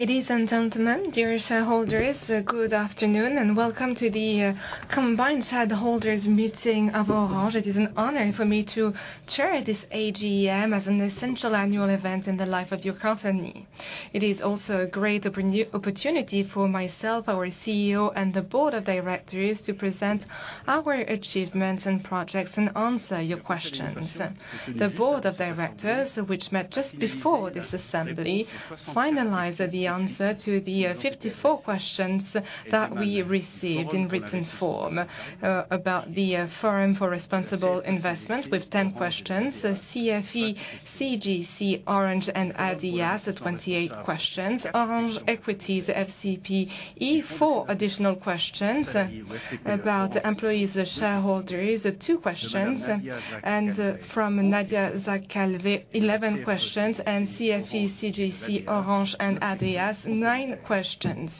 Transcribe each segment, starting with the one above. Ladies and gentlemen, dear shareholders, good afternoon, and welcome to the combined shareholders meeting of Orange. It is an honor for me to chair this AGM as an essential annual event in the life of your company. It is also a great opportunity for myself, our CEO, and the board of directors to present our achievements and projects, and answer your questions. The board of directors, which met just before this assembly, finalized the answer to the 54 questions that we received in written form about the Forum for Responsible Investment, with 10 questions. CFE-CGC Orange and ADEAS, 28 questions. Arum Equity FCP, 4 additional questions. About employees and shareholders, 2 questions, and from Nadia Zak-Calvet, 11 questions, and CFE-CGC Orange and ADEAS, 9 questions.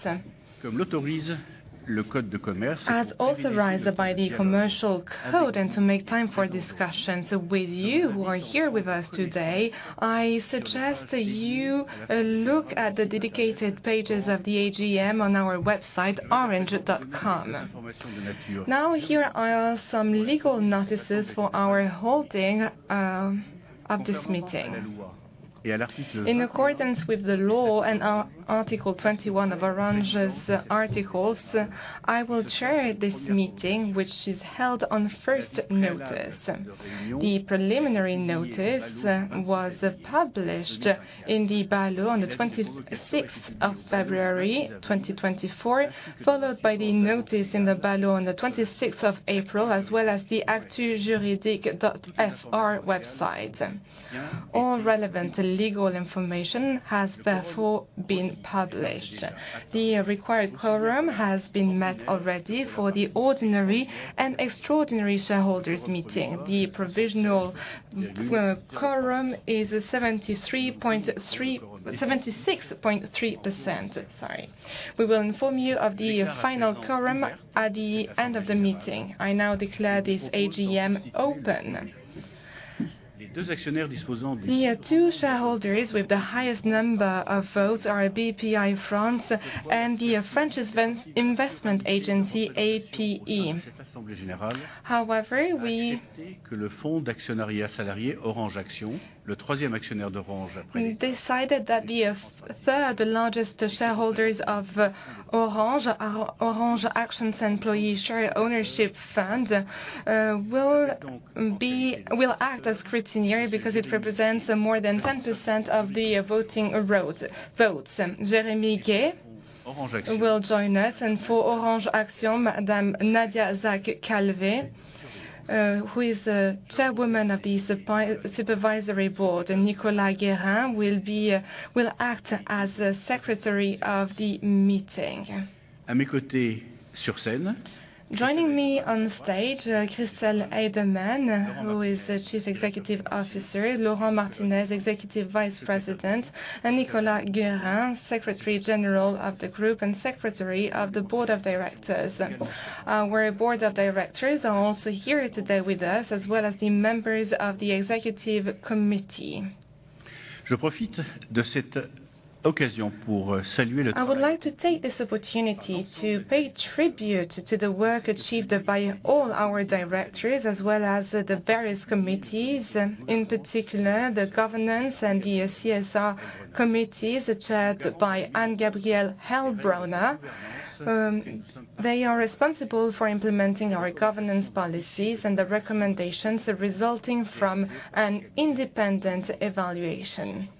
As authorized by the commercial code, and to make time for discussions with you who are here with us today, I suggest you look at the dedicated pages of the AGM on our website, orange.com. Now, here are some legal notices for our holding of this meeting. In accordance with the law and Article 21 of Orange's articles, I will chair this meeting, which is held on first notice. The preliminary notice was published in the BALO on the 26th of February, 2024, followed by the notice in the BALO on the 26th of April, as well as the actu-juridique.fr website. All relevant legal information has therefore been published. The required quorum has been met already for the ordinary and extraordinary shareholders' meeting. The provisional quorum is 73.3% to 76.3%, sorry. We will inform you of the final quorum at the end of the meeting. I now declare this AGM open. The two shareholders with the highest number of votes are Bpifrance and the French Investment Agency, APE. However, we decided that the third largest shareholders of Orange, Orange Actions Employee Share Ownership Fund, will act as scrutineer, because it represents more than 10% of the voting rights, votes. Jérémie Gay will join us, and for Orange Actions, Madame Nadia Zak-Calvet, who is a chairwoman of the supervisory board, and Nicolas Guérin will act as a secretary of the meeting. Joining me on stage, Christel Heydemann, who is the Chief Executive Officer, Laurent Martinez, Executive Vice President, and Nicolas Guérin, Secretary General of the Group and Secretary of the Board of Directors. Our Board of Directors are also here today with us, as well as the members of the Executive Committee. I would like to take this opportunity to pay tribute to the work achieved by all our directors, as well as the various committees, in particular, the governance and the CSR committees, chaired by Anne-Gabrielle Heilbronner. They are responsible for implementing our governance policies and the recommendations resulting from an independent evaluation.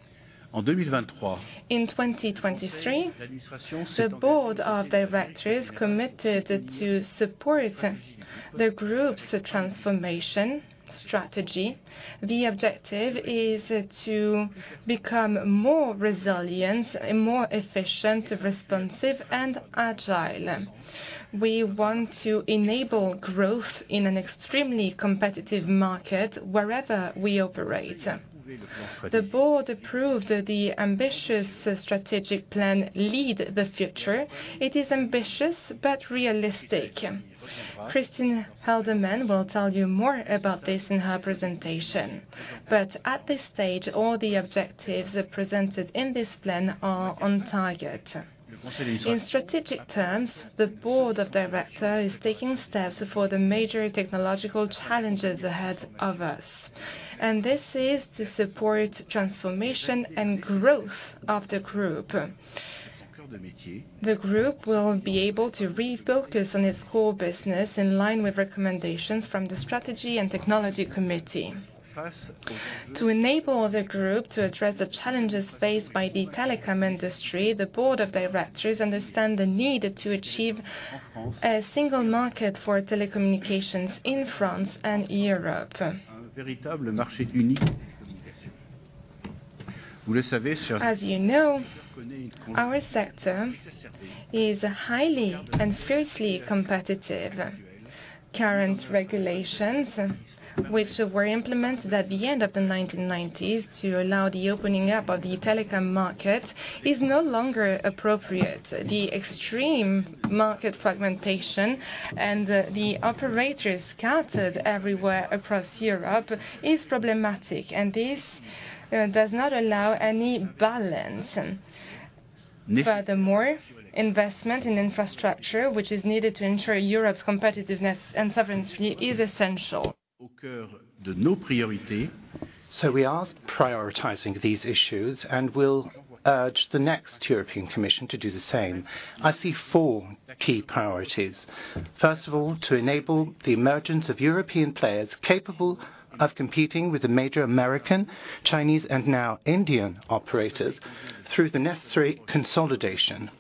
In 2023, the Board of Directors committed to support the group's transformation strategy. The objective is to become more resilient and more efficient, responsive, and agile. We want to enable growth in an extremely competitive market wherever we operate. The board approved the ambitious strategic plan, Lead the Future. It is ambitious, but realistic. Christel Heydemann will tell you more about this in her presentation. But at this stage, all the objectives presented in this plan are on target. In strategic terms, the Board of Directors is taking steps for the major technological challenges ahead of us, and this is to support transformation and growth of the group. The group will be able to refocus on its core business, in line with recommendations from the Strategy and Technology Committee. To enable the group to address the challenges faced by the telecom industry, the Board of Directors understand the need to achieve a single market for telecommunications in France and Europe. As you know, our sector is highly and fiercely competitive. Current regulations, which were implemented at the end of the 1990s to allow the opening up of the telecom market, is no longer appropriate. The extreme market fragmentation and the operators scattered everywhere across Europe is problematic, and this does not allow any balance.... Furthermore, investment in infrastructure, which is needed to ensure Europe's competitiveness and sovereignty, is essential. So we are prioritizing these issues, and we'll urge the next European Commission to do the same. I see four key priorities. First of all, to enable the emergence of European players capable of competing with the major American, Chinese, and now Indian operators through the necessary consolidation.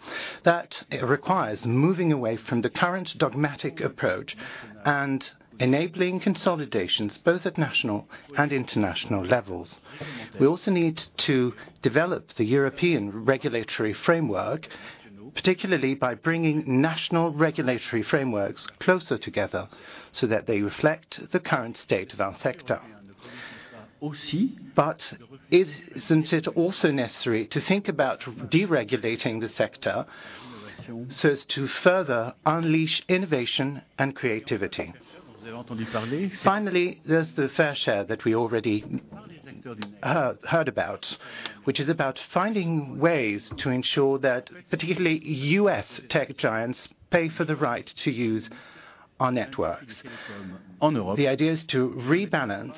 That requires moving away from the current dogmatic approach and enabling consolidations, both at national and international levels. We also need to develop the European regulatory framework, particularly by bringing national regulatory frameworks closer together, so that they reflect the current state of our sector. But isn't it also necessary to think about deregulating the sector so as to further unleash innovation and creativity? Finally, there's the fair share that we already heard about, which is about finding ways to ensure that particularly US tech giants pay for the right to use our networks. The idea is to rebalance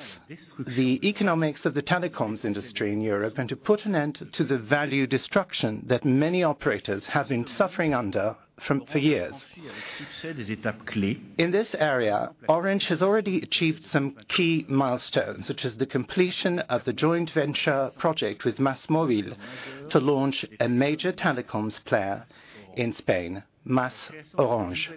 the economics of the telecoms industry in Europe, and to put an end to the value destruction that many operators have been suffering under for years. In this area, Orange has already achieved some key milestones, such as the completion of the joint venture project with MÁSMÓVIL to launch a major telecoms player in Spain, MasOrange.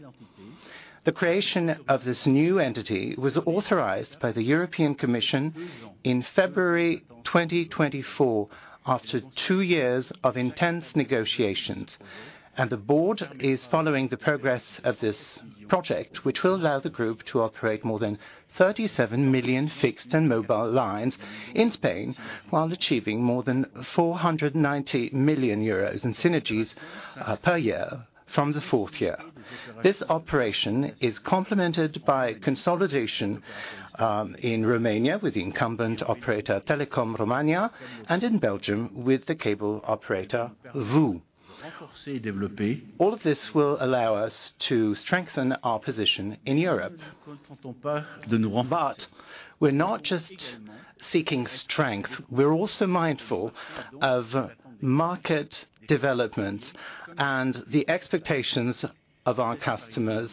The creation of this new entity was authorized by the European Commission in February 2024, after two years of intense negotiations, and the board is following the progress of this project. Which will allow the group to operate more than 37 million fixed and mobile lines in Spain, while achieving more than 490 million euros in synergies per year from the fourth year. This operation is complemented by consolidation, in Romania, with the incumbent operator, Telekom Romania, and in Belgium, with the cable operator, VOO. All of this will allow us to strengthen our position in Europe. But we're not just seeking strength, we're also mindful of market development and the expectations of our customers,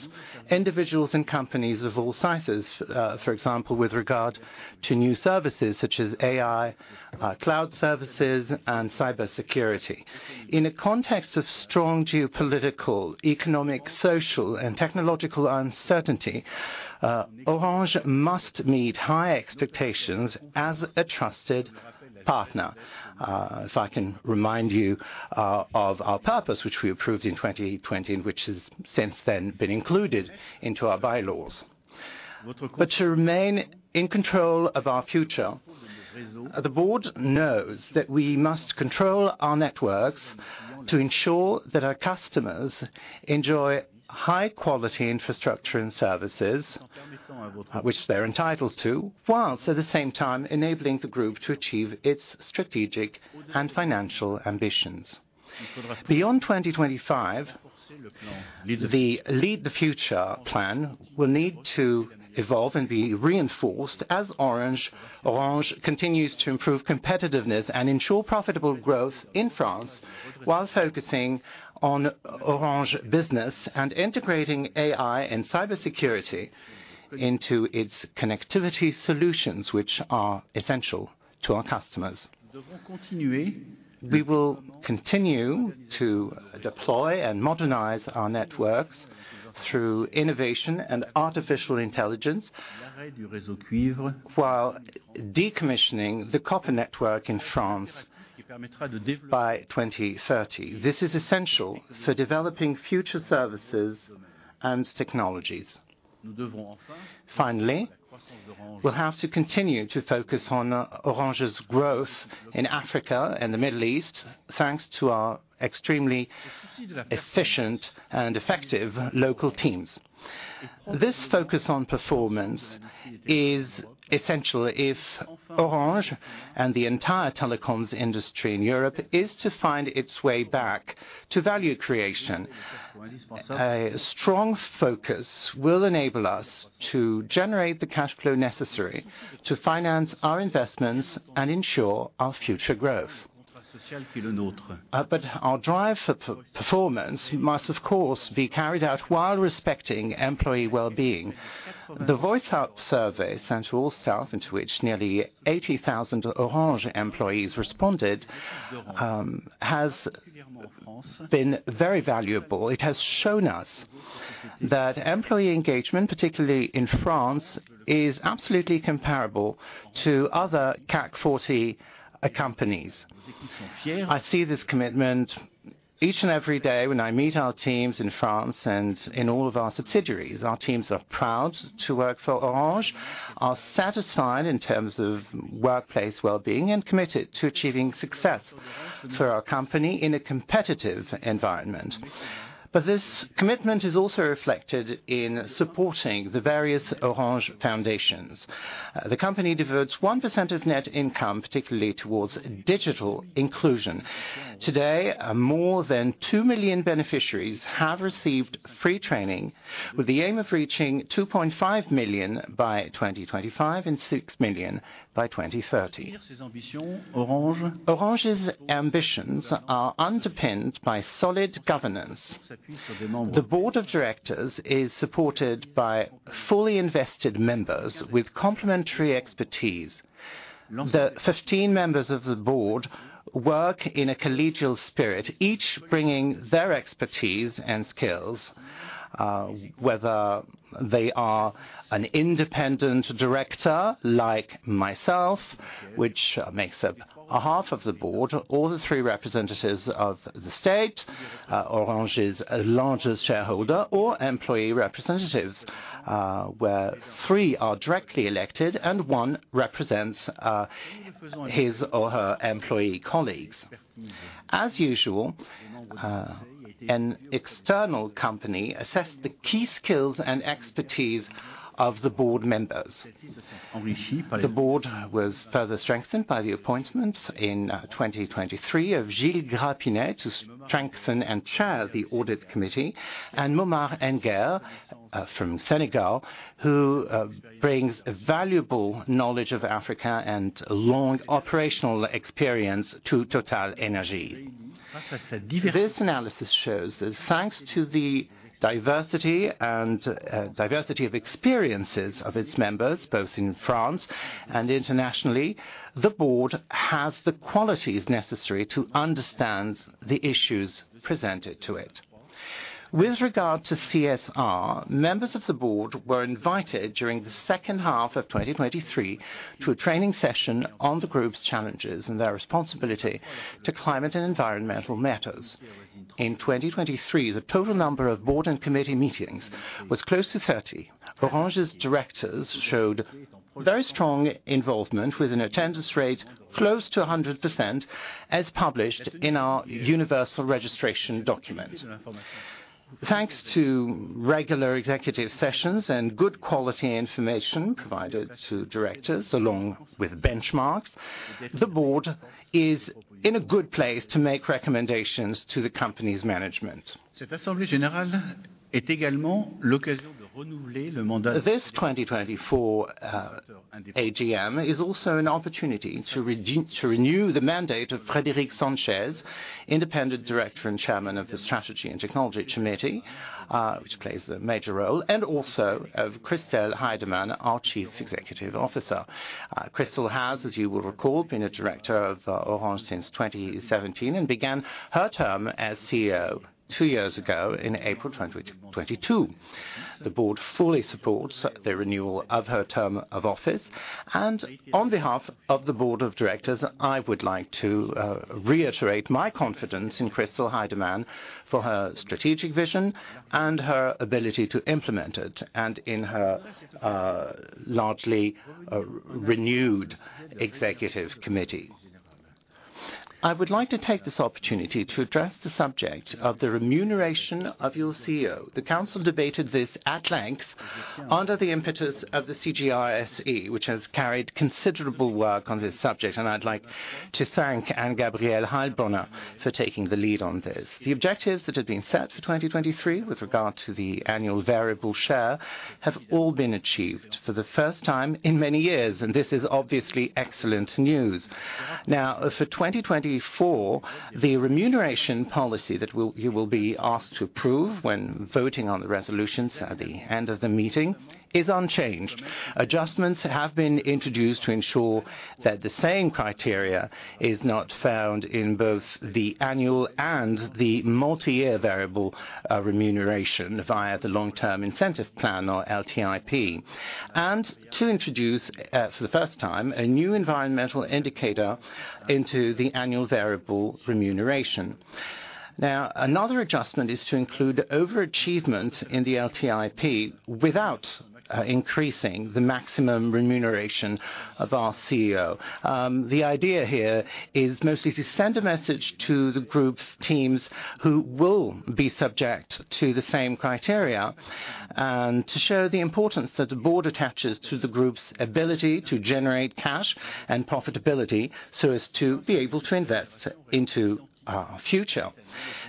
individuals and companies of all sizes, for example, with regard to new services such as AI, cloud services, and cybersecurity. In a context of strong geopolitical, economic, social, and technological uncertainty, Orange must meet high expectations as a trusted partner. If I can remind you of our purpose, which we approved in 2020, and which has since then been included into our bylaws. But to remain in control of our future, the board knows that we must control our networks to ensure that our customers enjoy high-quality infrastructure and services, which they're entitled to, while at the same time enabling the group to achieve its strategic and financial ambitions. Beyond 2025, the Lead the Future plan will need to evolve and be reinforced as Orange continues to improve competitiveness and ensure profitable growth in France, while focusing on Orange Business and integrating AI and cybersecurity into its connectivity solutions, which are essential to our customers. We will continue to deploy and modernize our networks through innovation and artificial intelligence, while decommissioning the copper network in France by 2030. This is essential for developing future services and technologies. Finally, we'll have to continue to focus on Orange's growth in Africa and the Middle East, thanks to our extremely efficient and effective local teams. This focus on performance is essential if Orange, and the entire telecoms industry in Europe, is to find its way back to value creation. A strong focus will enable us to generate the cash flow necessary to finance our investments and ensure our future growth. But our drive for performance must, of course, be carried out while respecting employee well-being. The Voice Up survey, sent to all staff, and to which nearly 80,000 Orange employees responded, has been very valuable. It has shown us that employee engagement, particularly in France, is absolutely comparable to other CAC 40 companies. I see this commitment each and every day when I meet our teams in France and in all of our subsidiaries. Our teams are proud to work for Orange, are satisfied in terms of workplace well-being, and committed to achieving success for our company in a competitive environment. But this commitment is also reflected in supporting the various Orange foundations. The company diverts 1% of net income, particularly towards digital inclusion. Today, more than 2 million beneficiaries have received free training, with the aim of reaching 2.5 million by 2025 and 6 million by 2030. Orange's ambitions are underpinned by solid governance. The board of directors is supported by fully invested members with complementary expertise. The 15 members of the board work in a collegial spirit, each bringing their expertise and skills, whether they are an independent director, like myself, which makes up a half of the board, or the three representatives of the state, Orange's largest shareholder or employee representatives, where three are directly elected and one represents, his or her employee colleagues. As usual, an external company assessed the key skills and expertise of the board members. The board was further strengthened by the appointments in 2023 of Gilles Grapinet to strengthen and chair the audit committee, and Momar Nguer, from Senegal, who brings valuable knowledge of Africa and long operational experience to TotalEnergies. This analysis shows that thanks to the diversity and diversity of experiences of its members, both in France and internationally, the board has the qualities necessary to understand the issues presented to it. With regard to CSR, members of the board were invited during the second half of 2023 to a training session on the group's challenges and their responsibility to climate and environmental matters. In 2023, the total number of board and committee meetings was close to 30. Orange's directors showed very strong involvement with an attendance rate close to 100%, as published in our universal registration document. Thanks to regular executive sessions and good quality information provided to directors along with benchmarks, the board is in a good place to make recommendations to the company's management. This 2024 AGM is also an opportunity to renew the mandate of Frédéric Sanchez, independent director and chairman of the Strategy and Technology Committee, which plays a major role, and also of Christel Heydemann, our Chief Executive Officer. Christel has, as you will recall, been a director of Orange since 2017, and began her term as CEO two years ago in April 2022. The board fully supports the renewal of her term of office, and on behalf of the board of directors, I would like to reiterate my confidence in Christel Heydemann for her strategic vision and her ability to implement it, and in her largely renewed executive committee. I would like to take this opportunity to address the subject of the remuneration of your CEO. The council debated this at length under the impetus of the CGRSE, which has carried considerable work on this subject, and I'd like to thank Anne-Gabrielle Heilbronner for taking the lead on this. The objectives that had been set for 2023 with regard to the annual variable share have all been achieved for the first time in many years, and this is obviously excellent news. Now, for 2024, the remuneration policy that you will be asked to approve when voting on the resolutions at the end of the meeting is unchanged. Adjustments have been introduced to ensure that the same criteria is not found in both the annual and the multi-year variable remuneration via the Long Term Incentive Plan or LTIP, and to introduce, for the first time, a new environmental indicator into the annual variable remuneration. Now, another adjustment is to include overachievement in the LTIP without increasing the maximum remuneration of our CEO. The idea here is mostly to send a message to the group's teams who will be subject to the same criteria, and to show the importance that the board attaches to the group's ability to generate cash and profitability, so as to be able to invest into our future.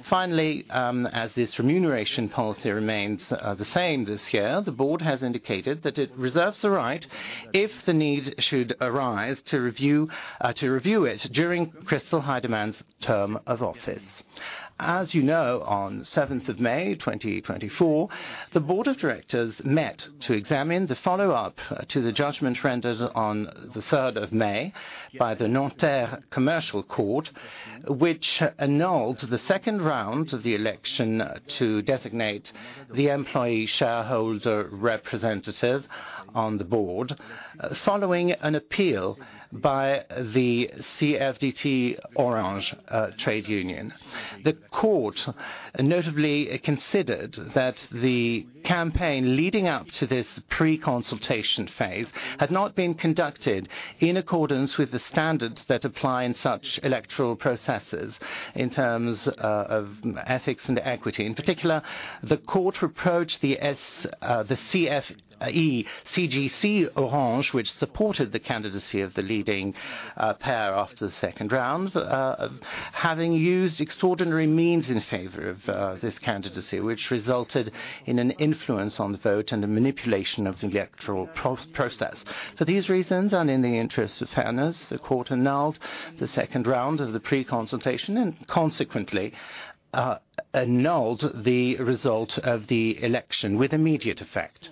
Finally, as this remuneration policy remains the same this year, the board has indicated that it reserves the right, if the need should arise, to review it during Christel Heydemann's term of office. As you know, on the seventh of May, 2024, the board of directors met to examine the follow-up to the judgment rendered on the third of May by the Nanterre Commercial Court, which annulled the second round of the election to designate the employee shareholder representative on the board, following an appeal by the CFDT Orange trade union. The court notably considered that the campaign leading up to this pre-consultation phase had not been conducted in accordance with the standards that apply in such electoral processes in terms of ethics and equity. In particular, the court approached the CFE-CGC Orange, which supported the candidacy of the leading pair after the second round, having used extraordinary means in favor of this candidacy, which resulted in an influence on the vote and a manipulation of the electoral process. For these reasons, and in the interest of fairness, the court annulled the second round of the pre-consultation and consequently, annulled the result of the election with immediate effect.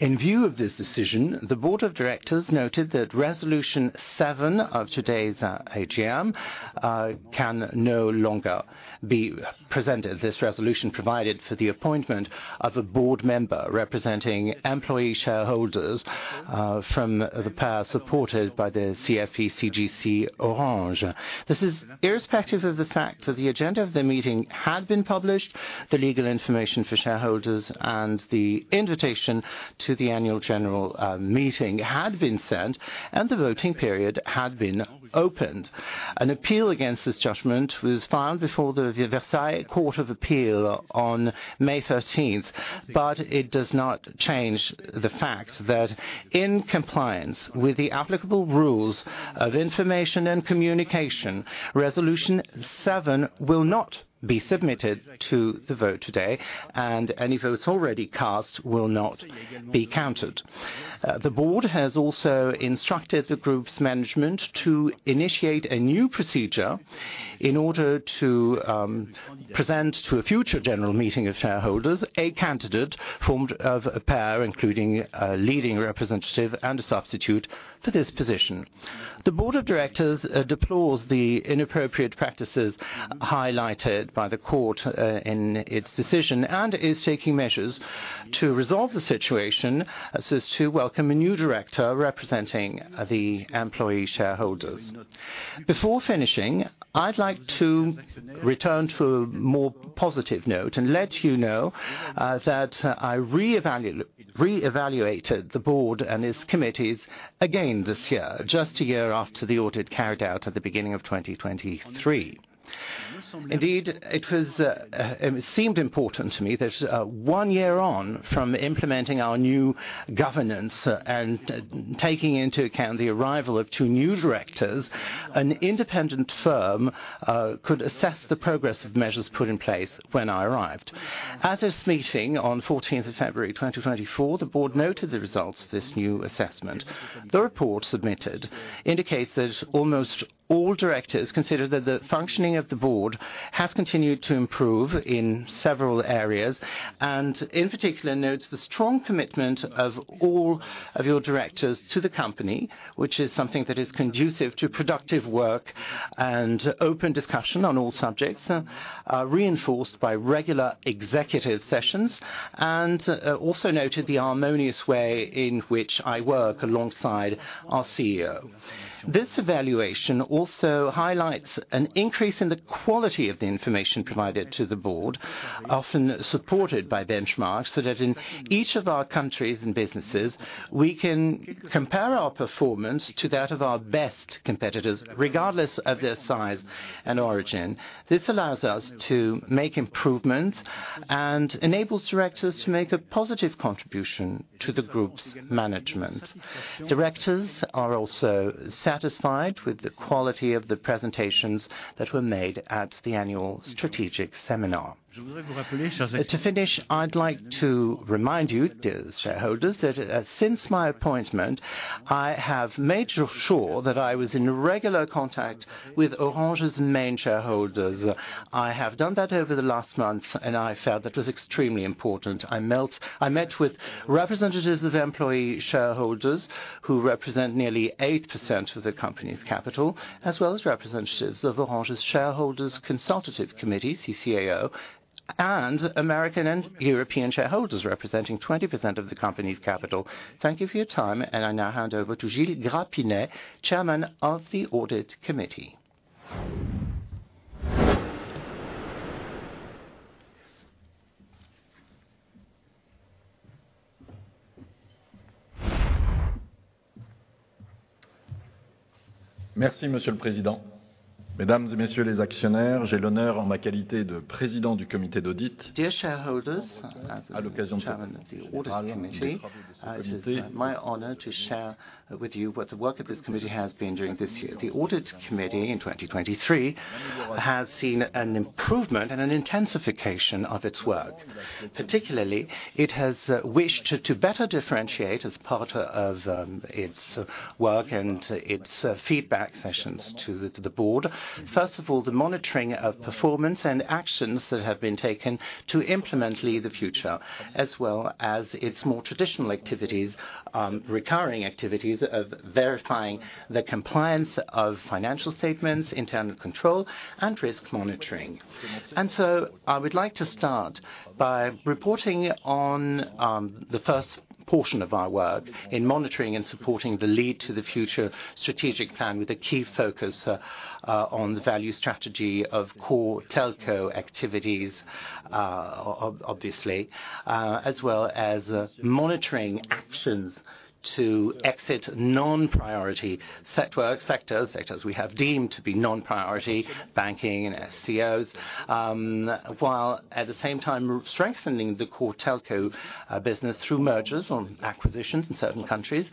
In view of this decision, the board of directors noted that resolution seven of today's AGM can no longer be presented. This resolution provided for the appointment of a board member representing employee shareholders from the pair supported by the CFE-CGC Orange. This is irrespective of the fact that the agenda of the meeting had been published, the legal information for shareholders, and the invitation to the annual general meeting had been sent, and the voting period had been opened. An appeal against this judgment was filed before the Versailles Court of Appeal on May thirteenth, but it does not change the fact that in compliance with the applicable rules of information and communication, resolution seven will not be submitted to the vote today, and any votes already cast will not be counted. The board has also instructed the group's management to initiate a new procedure in order to present to a future general meeting of shareholders, a candidate formed of a pair, including a leading representative and a substitute for this position. The board of directors deplores the inappropriate practices highlighted by the court in its decision and is taking measures to resolve the situation so as to welcome a new director representing the employee shareholders. Before finishing, I'd like to return to a more positive note and let you know, that I re-evaluated the board and its committees again this year, just a year after the audit carried out at the beginning of 2023. Indeed, it was, it seemed important to me that, one year on from implementing our new governance and taking into account the arrival of two new directors, an independent firm, could assess the progress of measures put in place when I arrived. At this meeting on February 14, 2024, the board noted the results of this new assessment. The report submitted indicates that almost all directors consider that the functioning of the board has continued to improve in several areas, and in particular, notes the strong commitment of all of your directors to the company, which is something that is conducive to productive work and open discussion on all subjects, reinforced by regular executive sessions, and, also noted the harmonious way in which I work alongside our CEO. This evaluation also highlights an increase in the quality of the information provided to the board, often supported by benchmarks, so that in each of our countries and businesses, we can compare our performance to that of our best competitors, regardless of their size and origin. This allows us to make improvements and enables directors to make a positive contribution to the group's management. Directors are also satisfied with the quality of the presentations that were made at the annual strategic seminar. To finish, I'd like to remind you, dear shareholders, that, since my appointment, I have made sure that I was in regular contact with Orange's main shareholders. I have done that over the last month, and I felt that was extremely important. I met with representatives of employee shareholders, who represent nearly 8% of the company's capital, as well as representatives of Orange's Shareholders Consultative Committee, CCAO, and American and European shareholders, representing 20% of the company's capital. Thank you for your time, and I now hand over to Gilles Grapinet, Chairman of the Audit Committee. Merci, Monsieur le Président. Mesdames et Messieurs les actionnaires, j'ai l'honneur, en ma qualité de président du Comité d'audit—Dear shareholders,—à l'occasion de chairman of the Audit Committee, it is my honor to share with you what the work of this committee has been during this year. The Audit Committee in 2023 has seen an improvement and an intensification of its work. Particularly, it has wished to better differentiate as part of its work and its feedback sessions to the board. First of all, the monitoring of performance and actions that have been taken to implement Lead the Future, as well as its more traditional activities, recurring activities of verifying the compliance of financial statements, internal control, and risk monitoring. I would like to start by reporting on the first portion of our work in monitoring and supporting the Lead the Future strategic plan, with a key focus on the value strategy of core telco activities, obviously, as well as monitoring actions to exit non-priority sectors we have deemed to be non-priority, banking and SCOs, while at the same time strengthening the core telco business through mergers or acquisitions in certain countries,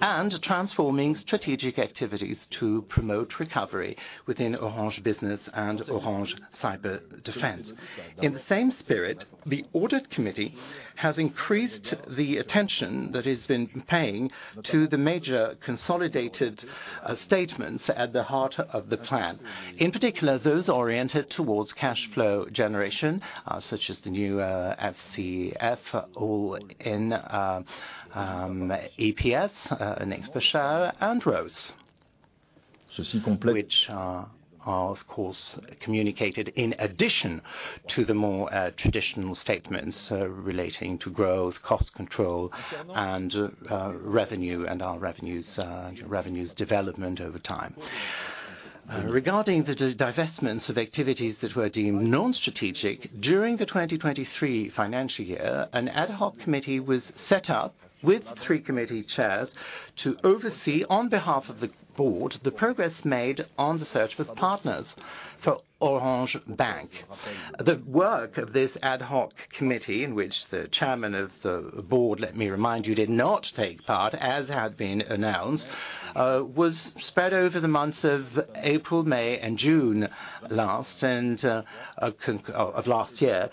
and transforming strategic activities to promote recovery within Orange Business and Orange Cyberdefense. In the same spirit, the Audit Committee has increased the attention that it's been paying to the major consolidated statements at the heart of the plan. In particular, those oriented towards cash flow generation, such as the new FCF, EPS, earnings per share, and ROCE, which are, of course, communicated in addition to the more traditional statements relating to growth, cost control, and revenue, and our revenues, revenues development over time. Regarding the divestments of activities that were deemed non-strategic, during the 2023 financial year, an ad hoc committee was set up with three committee chairs to oversee, on behalf of the board, the progress made on the search with partners for Orange Bank. The work of this ad hoc committee, in which the chairman of the board, let me remind you, did not take part, as had been announced, was spread over the months of April, May, and June last, and of last year.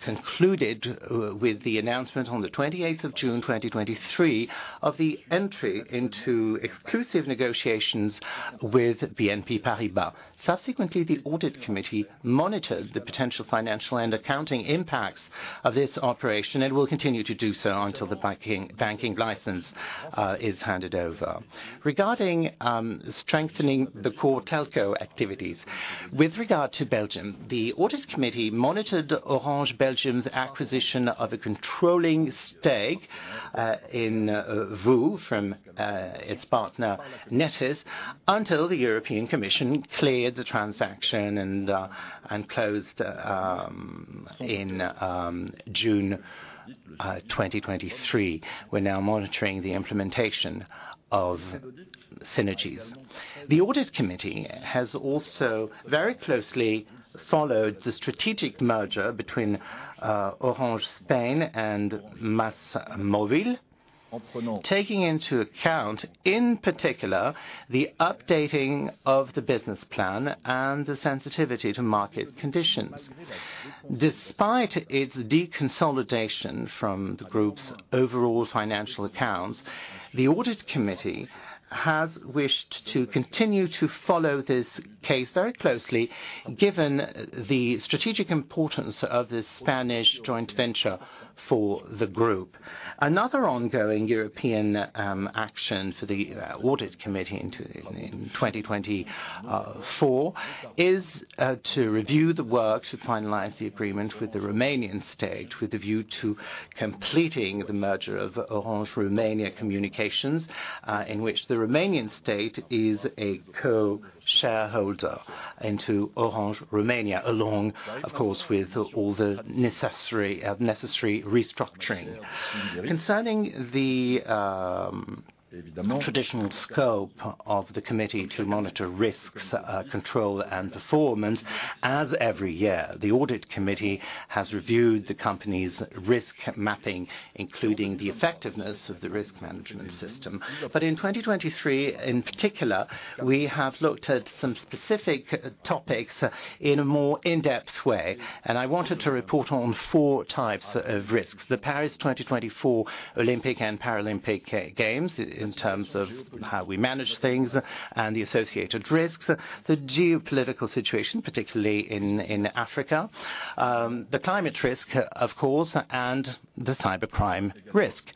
Concluded with the announcement on the 28th of June, 2023, of the entry into exclusive negotiations with BNP Paribas. Subsequently, the audit committee monitored the potential financial and accounting impacts of this operation, and will continue to do so until the banking license is handed over. Regarding strengthening the core telco activities, with regard to Belgium, the audit committee monitored Orange Belgium's acquisition of a controlling stake in VOO from its partner, Nethys, until the European Commission cleared the transaction and closed in June 2023. We're now monitoring the implementation of synergies. The audit committee has also very closely followed the strategic merger between Orange Spain and MásMóvil. Taking into account, in particular, the updating of the business plan and the sensitivity to market conditions. Despite its deconsolidation from the group's overall financial accounts, the audit committee has wished to continue to follow this case very closely, given the strategic importance of this Spanish joint venture for the group. Another ongoing European action for the audit committee in 2024 is to review the work to finalize the agreement with the Romanian state, with a view to completing the merger of Orange Romania Communications, in which the Romanian state is a co-shareholder into Orange Romania along, of course, with all the necessary restructuring. Concerning the traditional scope of the committee to monitor risks, control, and performance, as every year, the audit committee has reviewed the company's risk mapping, including the effectiveness of the risk management system. But in 2023, in particular, we have looked at some specific topics in a more in-depth way, and I wanted to report on four types of risks. The Paris 2024 Olympic and Paralympic Games, in terms of how we manage things and the associated risks, the geopolitical situation, particularly in Africa, the climate risk, of course, and the cybercrime risk.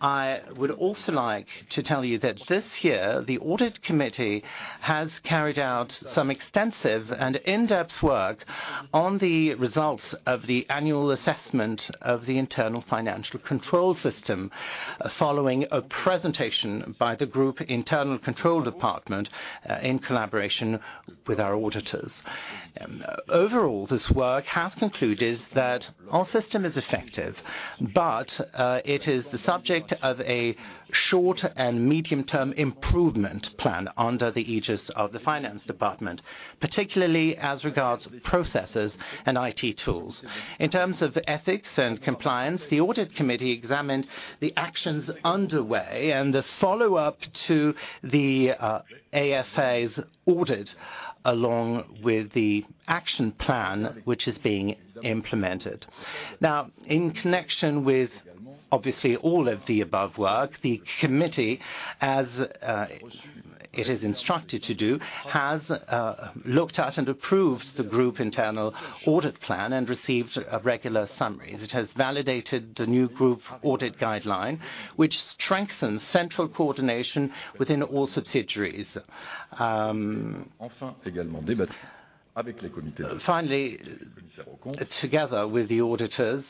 I would also like to tell you that this year, the audit committee has carried out some extensive and in-depth work on the results of the annual assessment of the internal financial control system, following a presentation by the group internal control department, in collaboration with our auditors. Overall, this work has concluded that our system is effective, but it is the subject of a short and medium-term improvement plan under the aegis of the finance department, particularly as regards processes and IT tools. In terms of ethics and compliance, the audit committee examined the actions underway and the follow-up to the AFA's audit, along with the action plan, which is being implemented. Now, in connection with, obviously, all of the above work, the committee, as it is instructed to do, has looked at and approved the group internal audit plan and received a regular summary. It has validated the new group audit guideline, which strengthens central coordination within all subsidiaries. Finally, together with the auditors,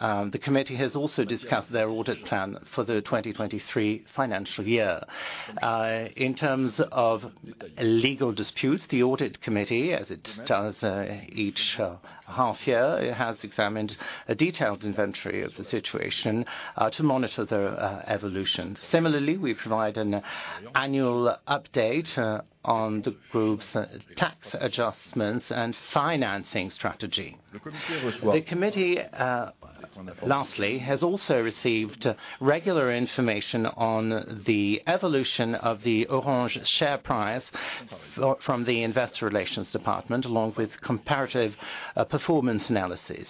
the committee has also discussed their audit plan for the 2023 financial year. In terms of legal disputes, the audit committee, as it does each half year, it has examined a detailed inventory of the situation to monitor the evolution. Similarly, we provide an annual update on the group's tax adjustments and financing strategy. The committee lastly has also received regular information on the evolution of the Orange share price, from the investor relations department, along with comparative performance analyses.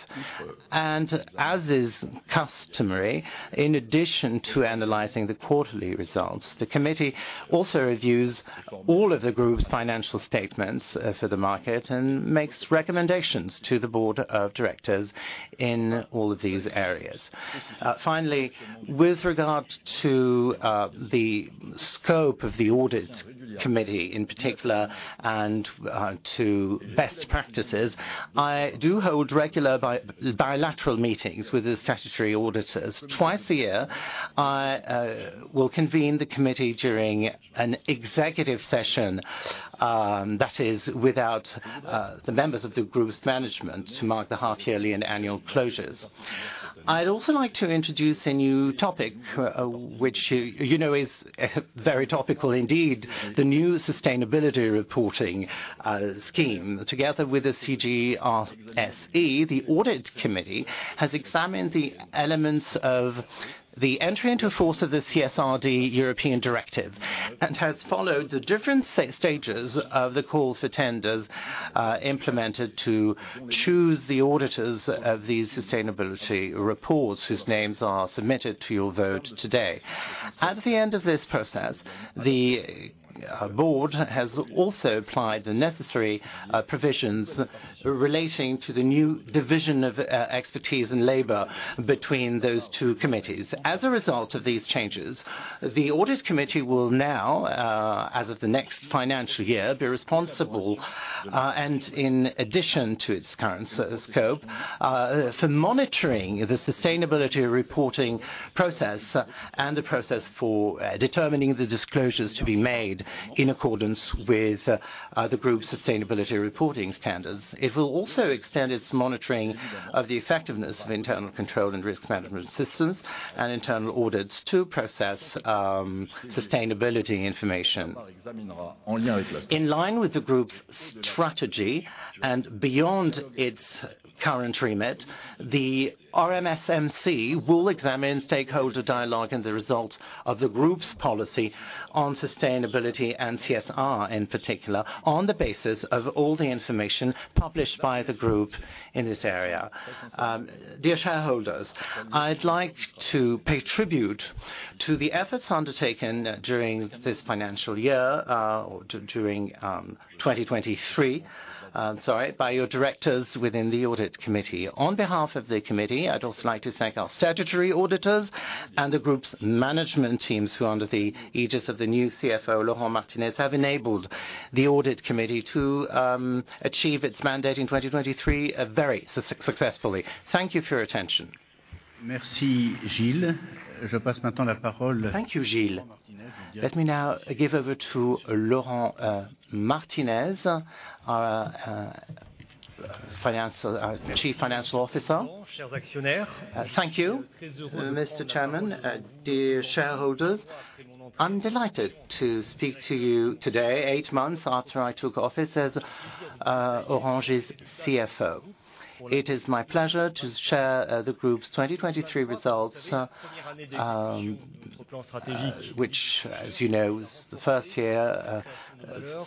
And as is customary, in addition to analyzing the quarterly results, the committee also reviews all of the group's financial statements for the market, and makes recommendations to the board of directors in all of these areas.... Finally, with regard to the scope of the audit committee in particular, and to best practices, I do hold regular bilateral meetings with the statutory auditors. Twice a year, I will convene the committee during an executive session, that is, without the members of the group's management to mark the half yearly and annual closures. I'd also like to introduce a new topic, which you know is very topical indeed, the new sustainability reporting scheme. Together with the CGRSE, the audit committee has examined the elements of the entry into force of the CSRD European directive, and has followed the different stages of the call for tenders, implemented to choose the auditors of these sustainability reports, whose names are submitted to your vote today. At the end of this process, the board has also applied the necessary provisions relating to the new division of expertise and labor between those two committees. As a result of these changes, the Audit Committee will now, as of the next financial year, be responsible, and in addition to its current scope, for monitoring the sustainability reporting process, and the process for determining the disclosures to be made in accordance with the group's sustainability reporting standards. It will also extend its monitoring of the effectiveness of internal control and risk management systems, and internal audits to process sustainability information. In line with the group's strategy and beyond its current remit, the RMSMC will examine stakeholder dialogue and the results of the group's policy on sustainability and CSR, in particular, on the basis of all the information published by the group in this area. Dear shareholders, I'd like to pay tribute to the efforts undertaken during this financial year, during 2023, sorry, by your directors within the audit committee. On behalf of the committee, I'd also like to thank our statutory auditors and the group's management teams, who under the aegis of the new CFO, Laurent Martinez, have enabled the audit committee to achieve its mandate in 2023, very successfully. Thank you for your attention. Merci, Gilles. Thank you, Gilles. Let me now give over to Laurent Martinez, our finance Chief Financial Officer. Thank you, Mr. Chairman. Dear shareholders, I'm delighted to speak to you today, eight months after I took office as Orange's CFO. It is my pleasure to share the group's 2023 results, which, as you know, is the first year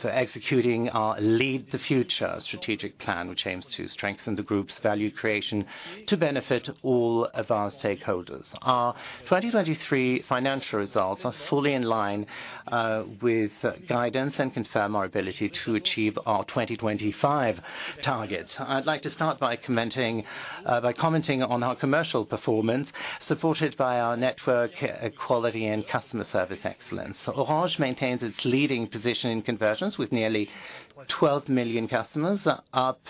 for executing our Lead the Future strategic plan, which aims to strengthen the group's value creation to benefit all of our stakeholders. Our 2023 financial results are fully in line with guidance and confirm our ability to achieve our 2025 targets. I'd like to start by commenting on our commercial performance, supported by our network quality, and customer service excellence. Orange maintains its leading position in convergence with nearly 12 million customers, up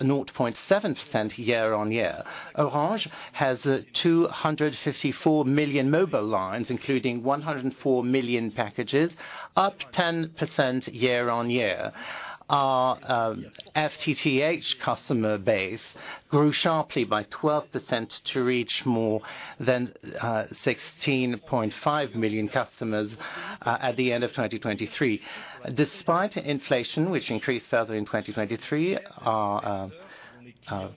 0.7% year-on-year. Orange has 254 million mobile lines, including 104 million packages, up 10% year-on-year. Our FTTH customer base grew sharply by 12% to reach more than 16.5 million customers at the end of 2023. Despite inflation, which increased further in 2023, our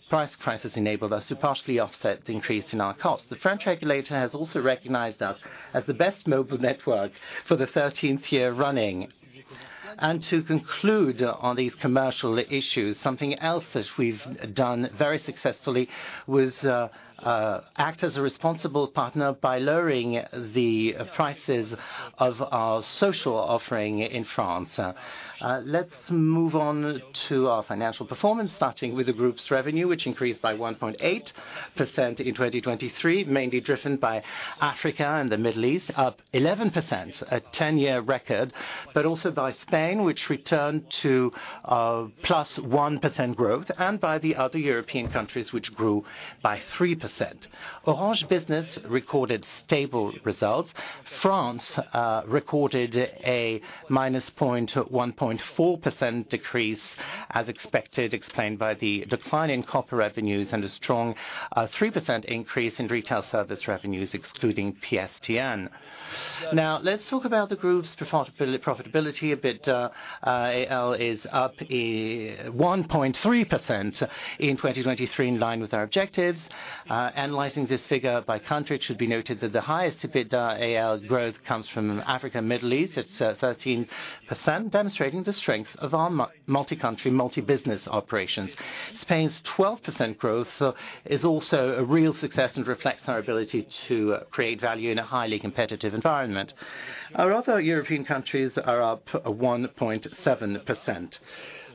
price increases enabled us to partially offset the increase in our costs. The French regulator has also recognized us as the best mobile network for the 13th year running. To conclude on these commercial issues, something else that we've done very successfully was act as a responsible partner by lowering the prices of our social offering in France. Let's move on to our financial performance, starting with the group's revenue, which increased by 1.8% in 2023, mainly driven by Africa and the Middle East, up 11%, a ten-year record. But also by Spain, which returned to +1% growth, and by the other European countries, which grew by 3%. Orange Business recorded stable results. France recorded a -1.4% decrease, as expected, explained by the decline in copper revenues and a strong 3% increase in retail service revenues, excluding PSTN. Now, let's talk about the group's profitability. EBITDAaL is up 1.3% in 2023, in line with our objectives. Analyzing this figure by country, it should be noted that the highest EBITDAaL growth comes from Africa and Middle East. It's thirteen percent, demonstrating the strength of our multi-country, multi-business operations. Spain's 12% growth is also a real success and reflects our ability to create value in a highly competitive environment. Our other European countries are up 1.7%.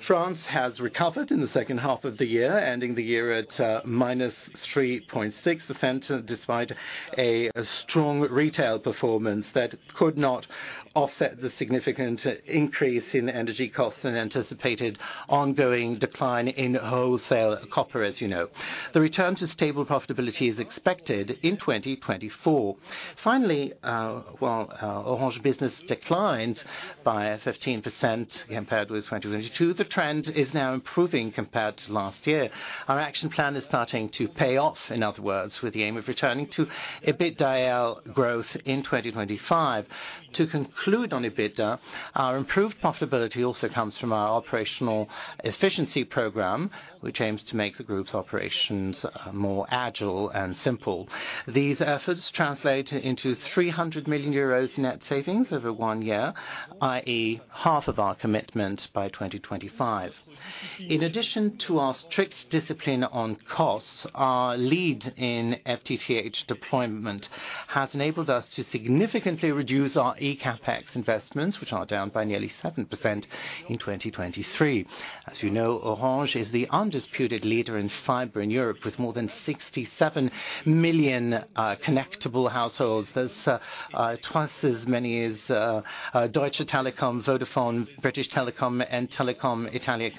France has recovered in the second half of the year, ending the year at -3.6%, despite a strong retail performance that could not offset the significant increase in energy costs and anticipated ongoing decline in wholesale copper, as you know. The return to stable profitability is expected in 2024. Finally, while Orange Business declined by 15% compared with 2022, the trend is now improving compared to last year. Our action plan is starting to pay off, in other words, with the aim of returning to EBITDA growth in 2025. To conclude on EBITDA, our improved profitability also comes from our operational efficiency program, which aims to make the group's operations more agile and simple. These efforts translate into 300 million euros in net savings over one year, i.e., half of our commitment by 2025. In addition to our strict discipline on costs, our lead in FTTH deployment has enabled us to significantly reduce our CapEx investments, which are down by nearly 7% in 2023. As you know, Orange is the undisputed leader in fiber in Europe, with more than 67 million connectable households. That's twice as many as Deutsche Telekom, Vodafone, British Telecom, and Telecom Italia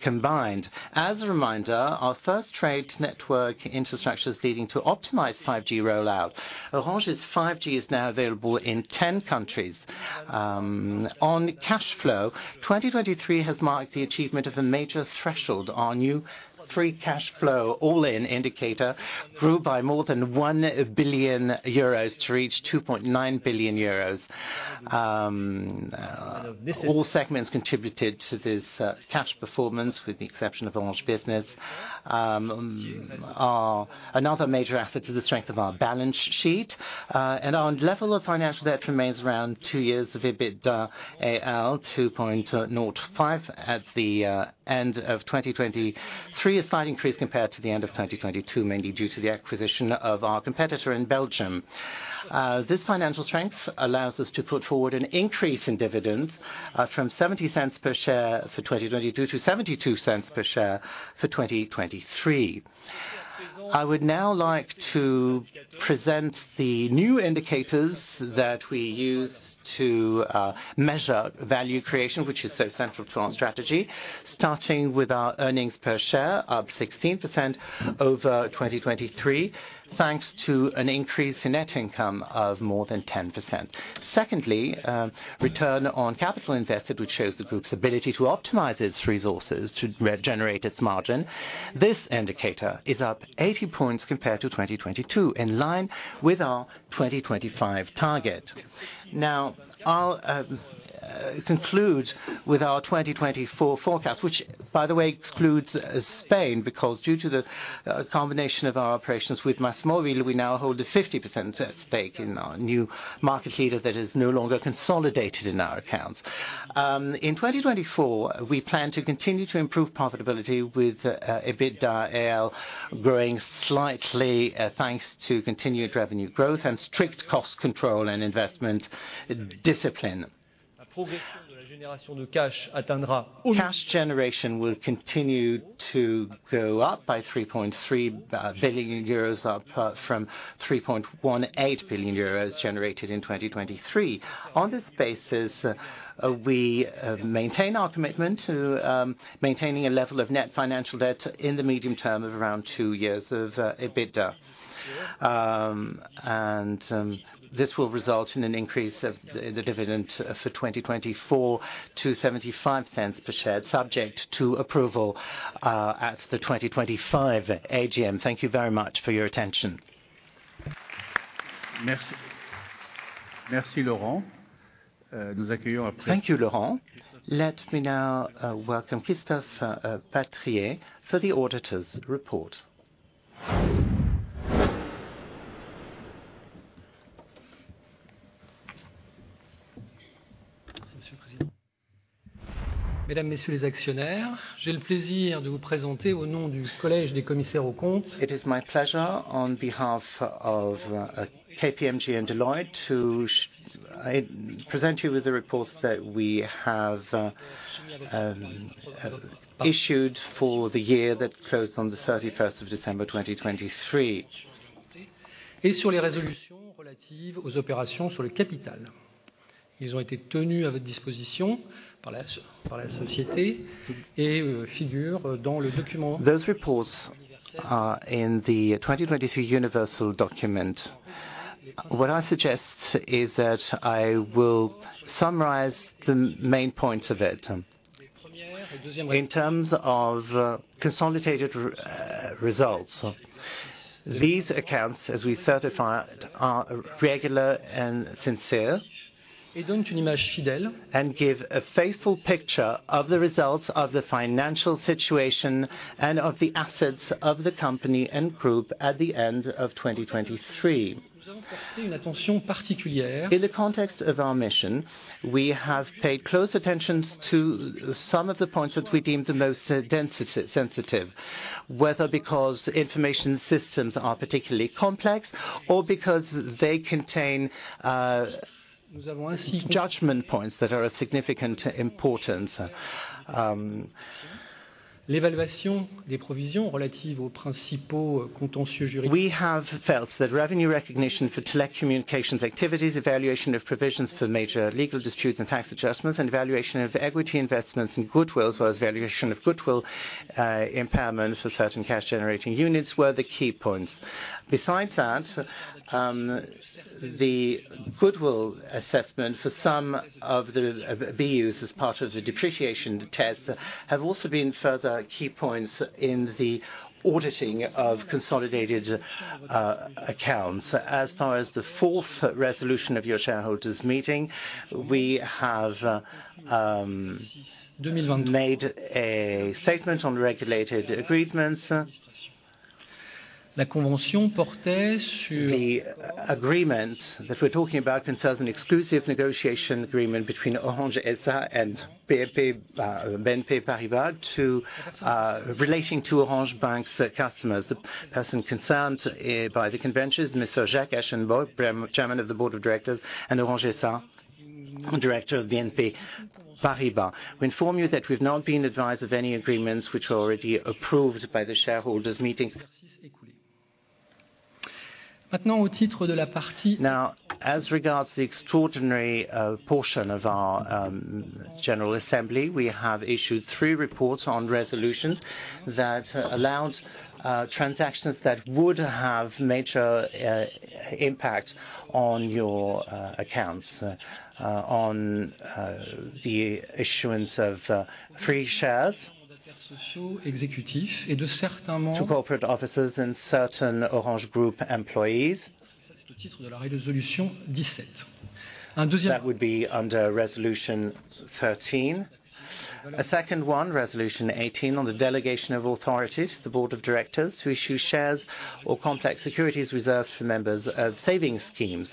combined. As a reminder, our fixed network infrastructure is leading to optimize 5G rollout. Orange's 5G is now available in 10 countries. On cash flow, 2023 has marked the achievement of a major threshold. Our new free cash flow, all-in indicator, grew by more than 1 billion euros to reach 2.9 billion euros. All segments contributed to this, cash performance, with the exception of Orange Business. Another major asset to the strength of our balance sheet, and our level of financial debt remains around two years of EBITDA, 2.05 at the end of 2023. A slight increase compared to the end of 2022, mainly due to the acquisition of our competitor in Belgium. This financial strength allows us to put forward an increase in dividends, from 0.70 per share for 2022 to 0.72 per share for 2023. I would now like to present the new indicators that we use to measure value creation, which is so central to our strategy. Starting with our earnings per share, up 16% over 2023, thanks to an increase in net income of more than 10%. Secondly, return on capital invested, which shows the group's ability to optimize its resources to regenerate its margin. This indicator is up 80 points compared to 2022, in line with our 2025 target. Now, I'll conclude with our 2024 forecast, which, by the way, excludes Spain, because due to the combination of our operations with MÁSMÓVIL, we now hold a 50% stake in our new market leader that is no longer consolidated in our accounts. In 2024, we plan to continue to improve profitability with EBITDAaL growing slightly, thanks to continued revenue growth and strict cost control and investment discipline. Cash generation will continue to go up by 3.3 billion euros, up from 3.18 billion euros generated in 2023. On this basis, we maintain our commitment to maintaining a level of net financial debt in the medium term of around 2 years of EBITDAaL. And this will result in an increase of the dividend for 2024 to 0.75 per share, subject to approval at the 2025 AGM. Thank you very much for your attention. Merci. Merci, Laurent. Thank you, Laurent. Let me now welcome Christophe Patrier for the auditors' report. It is my pleasure, on behalf of KPMG and Deloitte, to present you with the reports that we have issued for the year that closed on the thirty-first of December 2023. Those reports are in the 2023 universal document. What I suggest is that I will summarize the main points of it. In terms of consolidated results, these accounts, as we certified, are regular and sincere, and give a faithful picture of the results of the financial situation and of the assets of the company and group at the end of 2023. In the context of our mission, we have paid close attention to some of the points that we deemed the most sensitive, whether because information systems are particularly complex or because they contain judgment points that are of significant importance. We have felt that revenue recognition for select communications activities, evaluation of provisions for major legal disputes and tax adjustments, and evaluation of equity investments in goodwill, as well as valuation of goodwill impairment for certain cash-generating units were the key points. Besides that, the goodwill assessment for some of the BUs as part of the depreciation test have also been further key points in the auditing of consolidated accounts. As far as the fourth resolution of your shareholders' meeting, we have made a statement on regulated agreements. The agreement that we're talking about concerns an exclusive negotiation agreement between Orange SA and BNP Paribas to relating to Orange Bank's customers. The person concerned by the convention is Mr. Jacques Aschenbroich, Chairman of the Board of Directors of Orange SA, Director of BNP Paribas. We inform you that we've not been advised of any agreements which were already approved by the shareholders meetings. Now, as regards the extraordinary portion of our general assembly, we have issued three reports on resolutions that allowed transactions that would have major impact on your accounts on the issuance of free shares to corporate officers and certain Orange Group employees. That would be under Resolution 13. A second one, Resolution 18, on the delegation of authorities, the board of directors, to issue shares or complex securities reserved for members of savings schemes.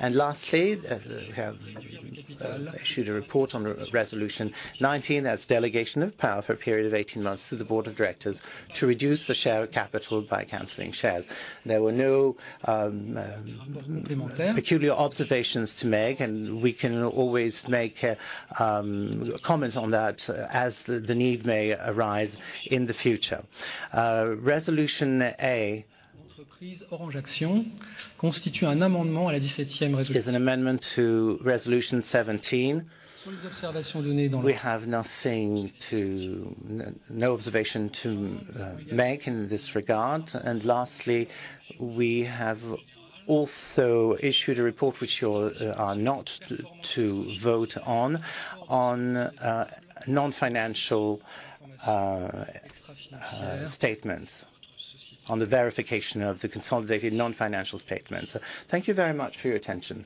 And lastly, we have issued a report on Resolution 19. That's delegation of power for a period of 18 months to the board of directors to reduce the share of capital by canceling shares. There were no peculiar observations to make, and we can always make comments on that as the need may arise in the future. Resolution A is an amendment to Resolution 17. We have no observation to make in this regard. And lastly, we have also issued a report which you are not to vote on, on non-financial statements, on the verification of the consolidated non-financial statements. Thank you very much for your attention.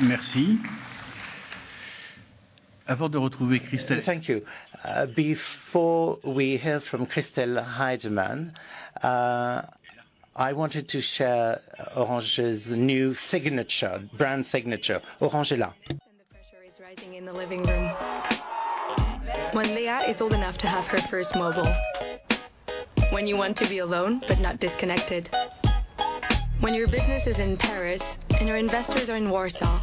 Merci. Thank you. Before we hear from Christel Heydemann, I wanted to share Orange's new signature, brand signature. Orange est là. The pressure is rising in the living room. When Leah is old enough to have her first mobile. When you want to be alone, but not disconnected. When your business is in Paris and your investors are in Warsaw.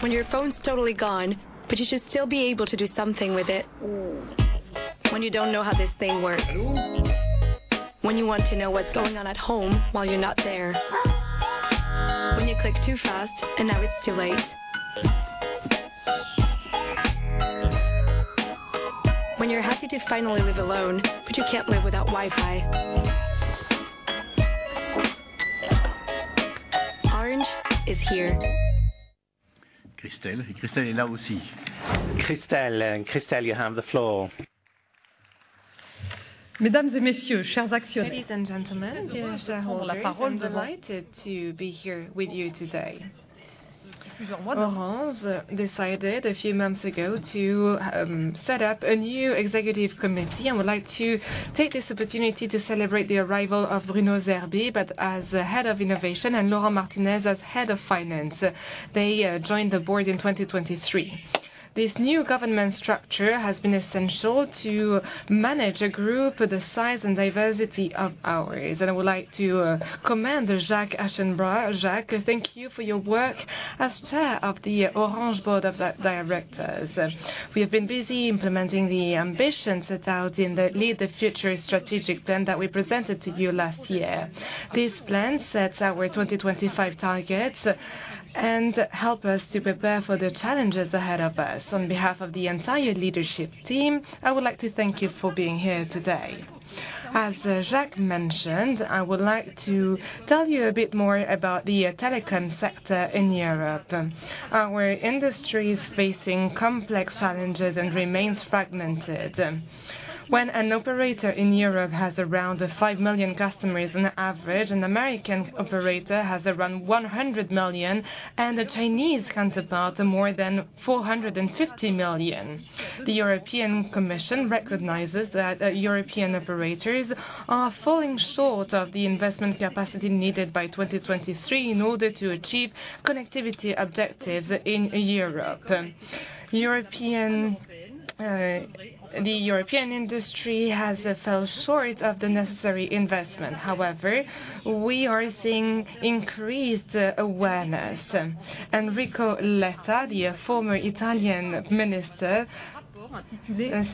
When your phone's totally gone, but you should still be able to do something with it. When you don't know how this thing works. When you want to know what's going on at home while you're not there. When you click too fast, and now it's too late. When you're happy to finally live alone, but you can't live without Wi-Fi. Orange is here. Christel. Christel est là aussi. Christel, and Christel, you have the floor. Ladies and gentlemen, dear shareholders, I'm delighted to be here with you today. Orange decided a few months ago to set up a new executive committee. I would like to take this opportunity to celebrate the arrival of Bruno Zerbib, now as Head of Innovation, and Laurent Martinez as Head of Finance. They joined the board in 2023. This new governance structure has been essential to manage a group with the size and diversity of ours, and I would like to commend Jacques Aschenbroich. Jacques, thank you for your work as Chair of the Orange Board of Directors. We have been busy implementing the ambitions set out in the Lead the Future strategic plan that we presented to you last year. This plan sets our 2025 targets and helps us to prepare for the challenges ahead of us. On behalf of the entire leadership team, I would like to thank you for being here today. As Jacques mentioned, I would like to tell you a bit more about the telecom sector in Europe. Our industry is facing complex challenges and remains fragmented. When an operator in Europe has around 5 million customers on average, an American operator has around 100 million, and a Chinese counterpart, more than 450 million. The European Commission recognizes that European operators are falling short of the investment capacity needed by 2023 in order to achieve connectivity objectives in Europe. The European industry has fell short of the necessary investment. However, we are seeing increased awareness. Enrico Letta, the former Italian minister,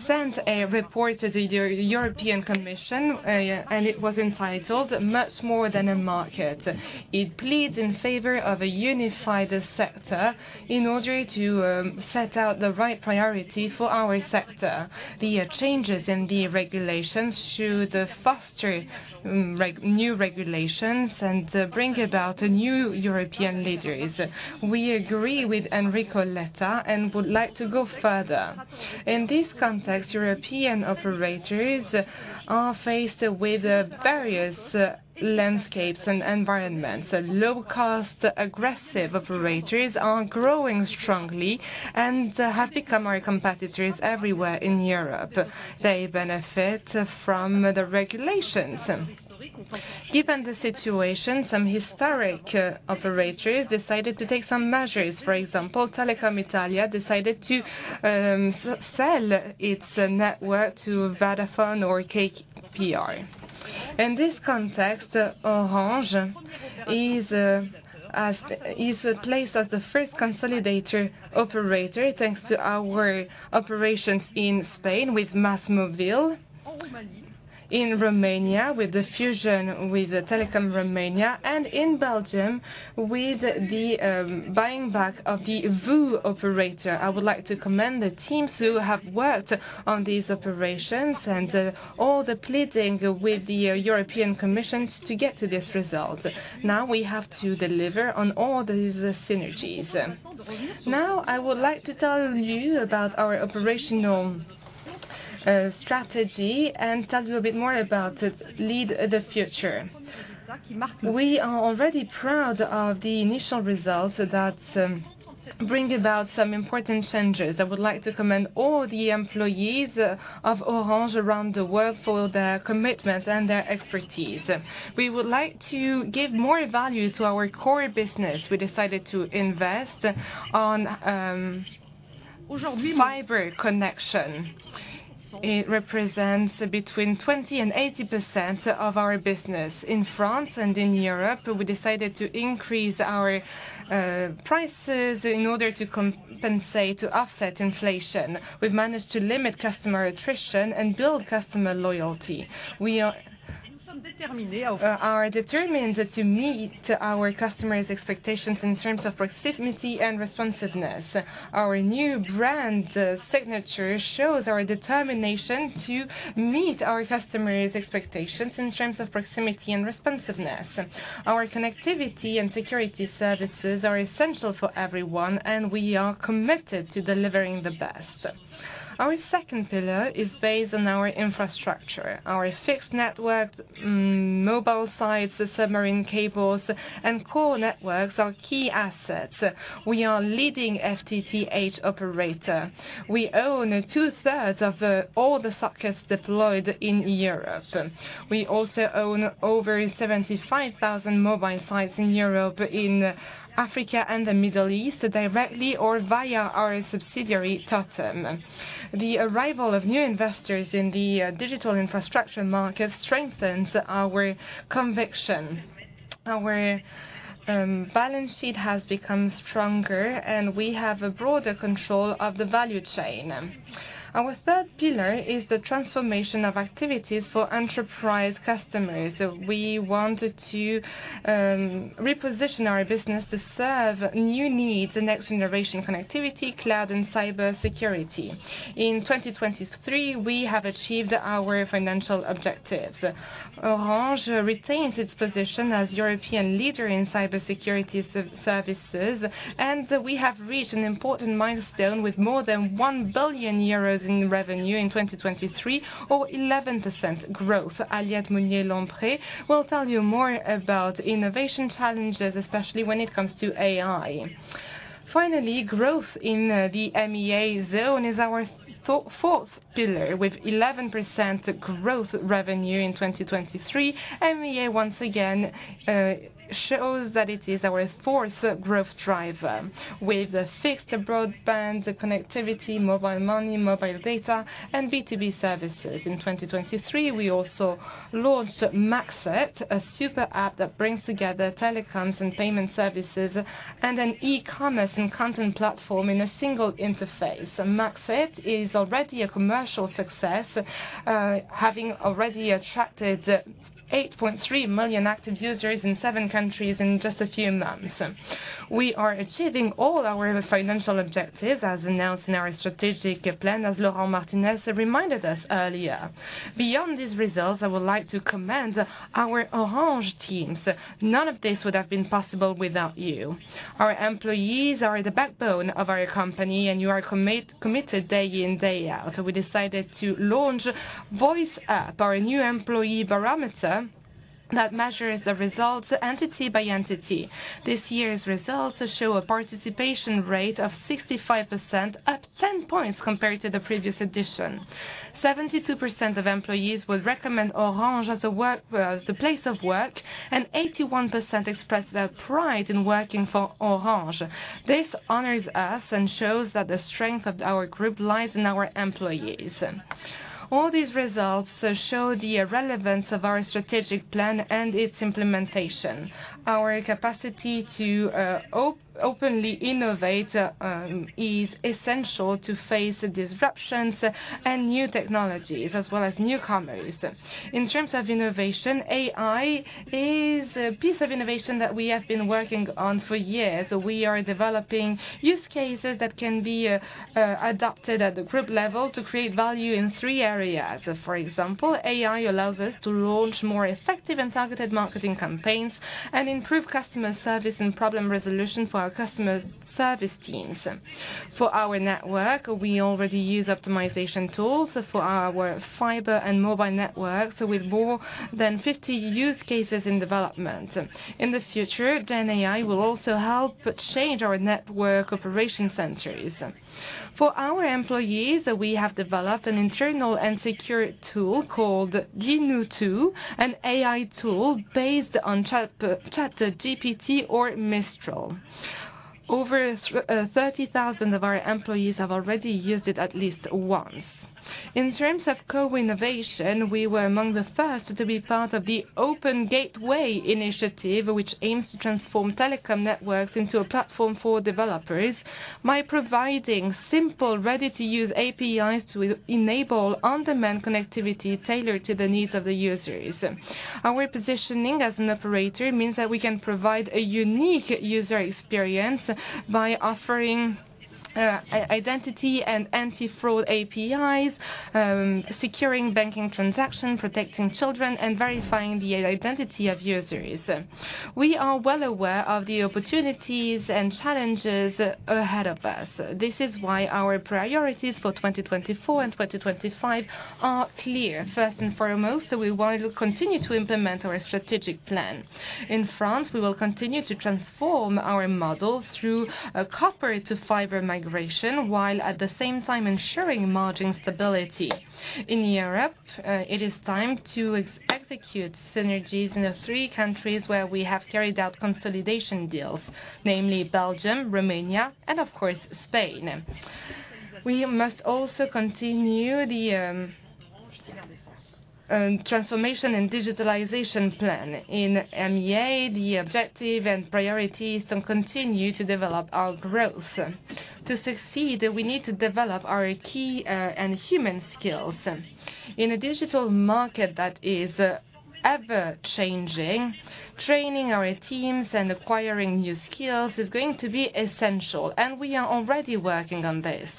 sent a report to the European Commission, and it was entitled Much More Than a Market. It pleads in favor of a unified sector in order to set out the right priority for our sector. The changes in the regulations should foster new regulations, and bring about a new European leaders. We agree with Enrico Letta, and would like to go further. In this context, European operators are faced with various landscapes and environments. Low-cost, aggressive operators are growing strongly, and have become our competitors everywhere in Europe. They benefit from the regulations. Given the situation, some historic operators decided to take some measures. For example, Telecom Italia decided to sell its network to Vodafone or KKR. In this context, Orange is placed as the first consolidator operator, thanks to our operations in Spain with MÁSMÓVIL, in Romania with the fusion with Telekom Romania, and in Belgium with the buying back of the VOO operator. I would like to commend the teams who have worked on these operations, and all the pleading with the European Commission to get to this result. Now we have to deliver on all these synergies. Now, I would like to tell you about our operational strategy, and tell you a bit more about Lead the Future. We are already proud of the initial results that bring about some important changes. I would like to commend all the employees of Orange around the world for their commitment and their expertise. We would like to give more value to our core business. We decided to invest on fiber connection. It represents between 20% and 80% of our business. In France and in Europe, we decided to increase our prices in order to compensate, to offset inflation. We've managed to limit customer attrition and build customer loyalty. We are determined to meet our customers' expectations in terms of proximity and responsiveness. Our new brand signature shows our determination to meet our customers' expectations in terms of proximity and responsiveness. Our connectivity and security services are essential for everyone, and we are committed to delivering the best. Our second pillar is based on our infrastructure. Our fixed network, mobile sites, the submarine cables, and core networks are key assets. We are leading FTTH operator. We own two-thirds of all the sockets deployed in Europe. We also own over 75,000 mobile sites in Europe, in Africa, and the Middle East, directly or via our subsidiary, Totem. The arrival of new investors in the digital infrastructure market strengthens our conviction. Our balance sheet has become stronger, and we have a broader control of the value chain. Our third pillar is the transformation of activities for enterprise customers. We wanted to reposition our business to serve new needs, the next generation connectivity, cloud, and cybersecurity. In 2023, we have achieved our financial objectives. Orange retains its position as European leader in cybersecurity services, and we have reached an important milestone with more than 1 billion euros in revenue in 2023, or 11% growth. Aliette Mousnier-Lompré will tell you more about innovation challenges, especially when it comes to AI. Finally, growth in the MEA zone is our fourth pillar, with 11% growth revenue in 2023. MEA, once again, shows that it is our fourth growth driver. With the fixed broadband, the connectivity, mobile money, mobile data, and B2B services. In 2023, we also launched Maxit, a super app that brings together telecoms and payment services, and an e-commerce and content platform in a single interface. Maxit is already a commercial success, having already attracted 8.3 million active users in 7 countries in just a few months. We are achieving all our financial objectives, as announced in our strategic plan, as Laurent Martinez reminded us earlier. Beyond these results, I would like to commend our Orange teams. None of this would have been possible without you. Our employees are the backbone of our company, and you are committed day in, day out. So we decided to launch Voice Up, our new employee barometer that measures the results entity by entity. This year's results show a participation rate of 65%, up 10 points compared to the previous edition. 72% of employees would recommend Orange as a place of work, and 81% expressed their pride in working for Orange. This honors us and shows that the strength of our group lies in our employees. All these results show the relevance of our strategic plan and its implementation. Our capacity to openly innovate is essential to face the disruptions and new technologies as well as newcomers. In terms of innovation, AI is a piece of innovation that we have been working on for years. We are developing use cases that can be adopted at the group level to create value in three areas. For example, AI allows us to launch more effective and targeted marketing campaigns and improve customer service and problem resolution for our customer service teams. For our network, we already use optimization tools for our fiber and mobile networks, with more than 50 use cases in development. In the future, GenAI will also help change our network operation centers. For our employees, we have developed an internal and secure tool called Dinootoo, an AI tool based on ChatGPT, or Mistral. Over 30,000 of our employees have already used it at least once. In terms of co-innovation, we were among the first to be part of the Open Gateway Initiative, which aims to transform telecom networks into a platform for developers by providing simple, ready-to-use APIs to enable on-demand connectivity tailored to the needs of the users. Our positioning as an operator means that we can provide a unique user experience by offering identity and anti-fraud APIs, securing banking transactions, protecting children, and verifying the identity of users. We are well aware of the opportunities and challenges ahead of us. This is why our priorities for 2024 and 2025 are clear. First and foremost, we want to continue to implement our strategic plan. In France, we will continue to transform our model through a copper-to-fiber migration, while at the same time ensuring margin stability. In Europe, it is time to execute synergies in the three countries where we have carried out consolidation deals, namely Belgium, Romania, and of course, Spain. We must also continue the transformation and digitalization plan. In MEA, the objective and priority is to continue to develop our growth. To succeed, we need to develop our key and human skills. In a digital market that is ever-changing, training our teams and acquiring new skills is going to be essential, and we are already working on this.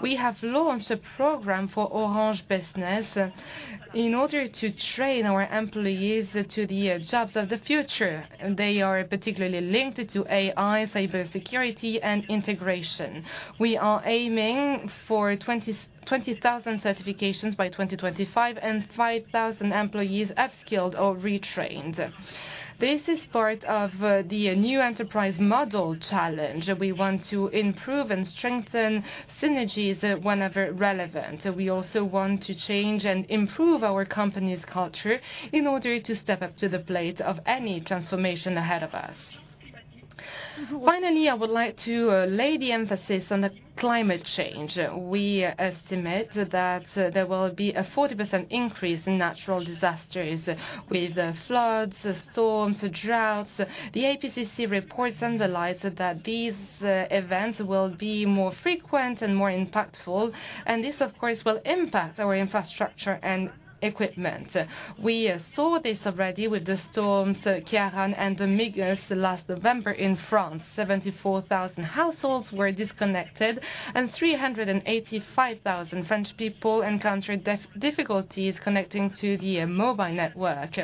We have launched a program for Orange Business in order to train our employees to the jobs of the future. They are particularly linked to AI, cyber security, and integration. We are aiming for 20,000 certifications by 2025, and 5,000 employees upskilled or retrained. This is part of the new enterprise model challenge. We want to improve and strengthen synergies whenever relevant. We also want to change and improve our company's culture in order to step up to the plate of any transformation ahead of us. Finally, I would like to lay the emphasis on the climate change. We estimate that there will be a 40% increase in natural disasters, with floods, storms, droughts. The APCC report underlies that these events will be more frequent and more impactful, and this, of course, will impact our infrastructure and equipment. We saw this already with the storms Ciaran and Amelius last November in France. 74,000 households were disconnected, and 385,000 French people encountered difficulties connecting to the mobile network.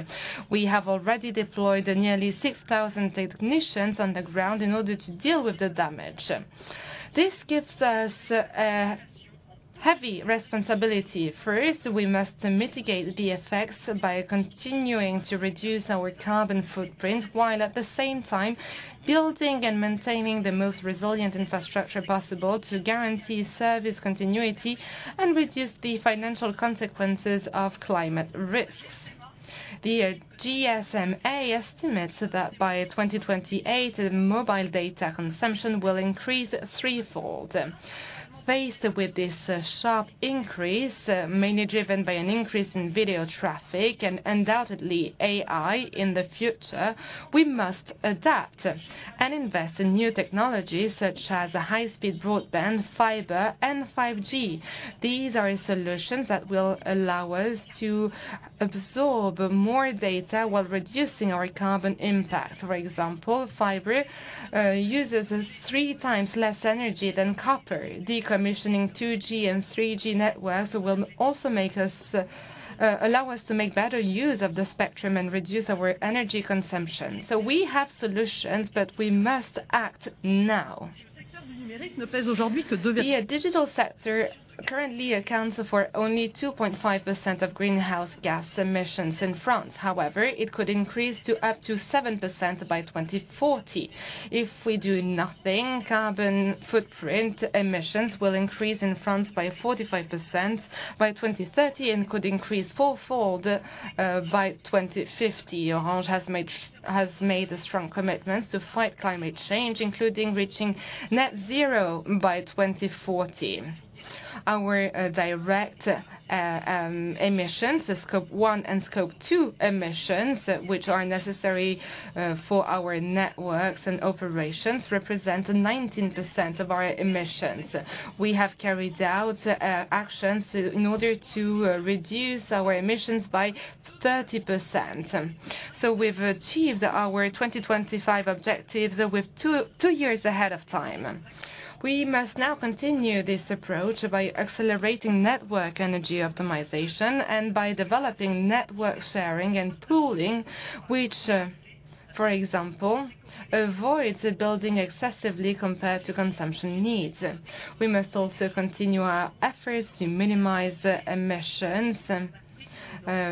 We have already deployed nearly 6,000 technicians on the ground in order to deal with the damage. This gives us a heavy responsibility. First, we must mitigate the effects by continuing to reduce our carbon footprint, while at the same time building and maintaining the most resilient infrastructure possible to guarantee service continuity and reduce the financial consequences of climate risks. The GSMA estimates that by 2028, mobile data consumption will increase threefold. Faced with this sharp increase, mainly driven by an increase in video traffic and undoubtedly AI in the future, we must adapt and invest in new technologies such as high-speed broadband, fiber, and 5G. These are solutions that will allow us to absorb more data while reducing our carbon impact. For example, fiber uses three times less energy than copper. Decommissioning 2G and 3G networks will also make us allow us to make better use of the spectrum and reduce our energy consumption. So we have solutions, but we must act now. The digital sector currently accounts for only 2.5% of greenhouse gas emissions in France. However, it could increase to up to 7% by 2040. If we do nothing, carbon footprint emissions will increase in France by 45% by 2030, and could increase fourfold by 2050. Orange has made a strong commitment to fight climate change, including reaching net zero by 2040. Our direct emissions, the Scope 1 and Scope 2 emissions, which are necessary for our networks and operations, represent 19% of our emissions. We have carried out actions in order to reduce our emissions by 30%. So we've achieved our 2025 objectives with 2 years ahead of time. We must now continue this approach by accelerating network energy optimization and by developing network sharing and pooling, which, for example, avoids building excessively compared to consumption needs. We must also continue our efforts to minimize emissions,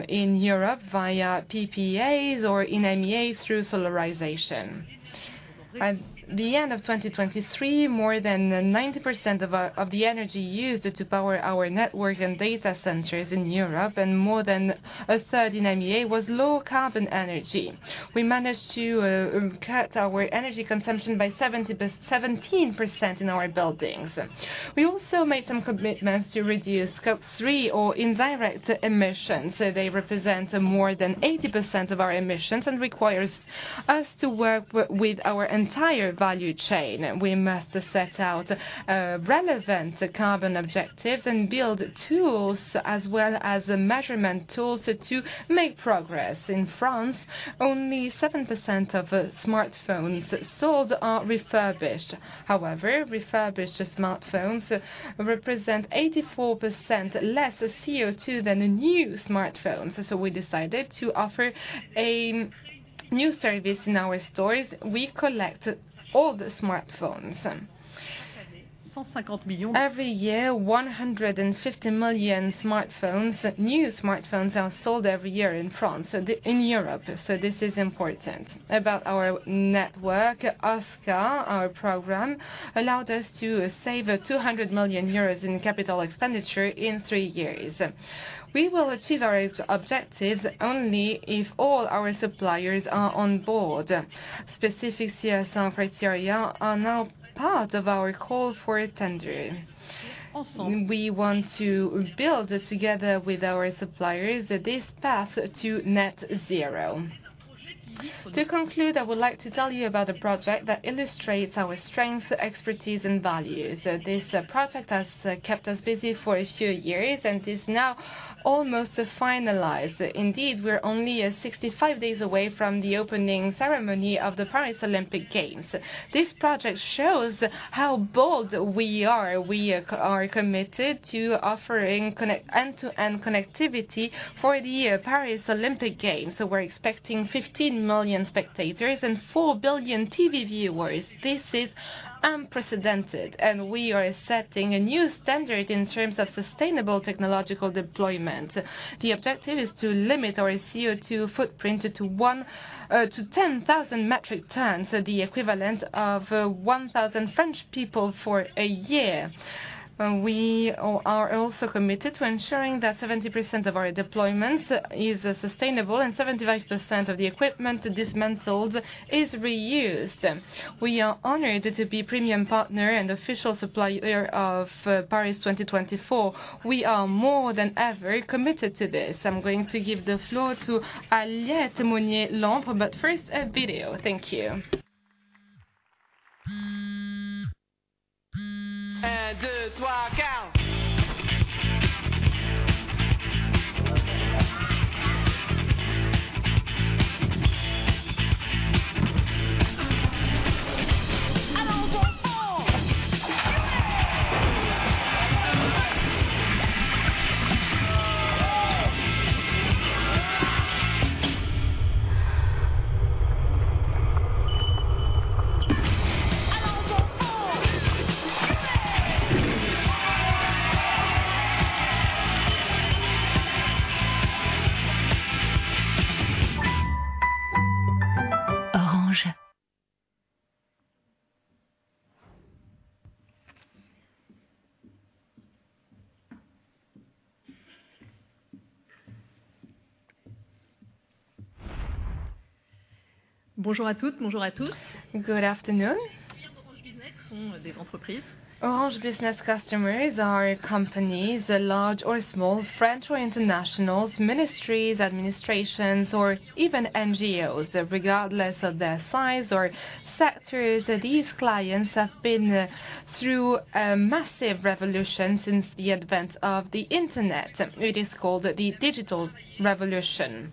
in Europe via PPAs or in MEA through solarization. At the end of 2023, more than 90% of the energy used to power our network and data centers in Europe, and more than a third in MEA, was low-carbon energy. We managed to cut our energy consumption by 70%-17% in our buildings. We also made some commitments to reduce Scope 3 or indirect emissions, so they represent more than 80% of our emissions and requires us to work with our entire value chain. We must set out relevant carbon objectives and build tools as well as measurement tools to make progress. In France, only 7% of smartphones sold are refurbished. However, refurbished smartphones represent 84% less CO2 than a new smartphone. So we decided to offer a new service in our stores. We collect all the smartphones. Every year, 150 million smartphones, new smartphones, are sold every year in Europe, so this is important. About our network, OSCAR, our program, allowed us to save 200 million euros in capital expenditure in 3 years. We will achieve our objectives only if all our suppliers are on board. Specific CSR criteria are now part of our call for tender. We want to build this together with our suppliers, this path to net zero. To conclude, I would like to tell you about a project that illustrates our strength, expertise, and values. This project has kept us busy for a few years and is now almost finalized. Indeed, we're only 65 days away from the opening ceremony of the Paris Olympic Games. This project shows how bold we are. We are committed to offering end-to-end connectivity for the Paris Olympic Games. So we're expecting 15 million spectators and 4 billion TV viewers. This is unprecedented, and we are setting a new standard in terms of sustainable technological deployment. The objective is to limit our CO2 footprint to 1 to 10,000 metric tons, so the equivalent of 1,000 French people for a year. We are also committed to ensuring that 70% of our deployments is sustainable and 75% of the equipment dismantled is reused. We are honored to be premium partner and official supplier of Paris 2024. We are more than ever committed to this. I'm going to give the floor to Aliette Mousnier-Lompré, but first, a video. Thank you. 1, 2, 3, go! Orange. Bonjour à toutes, bonjour à tous. Good afternoon. Orange Business customers are companies, large or small, French or international, ministries, administrations, or even NGOs. Regardless of their size or sectors, these clients have been through a massive revolution since the advent of the internet. It is called the digital revolution.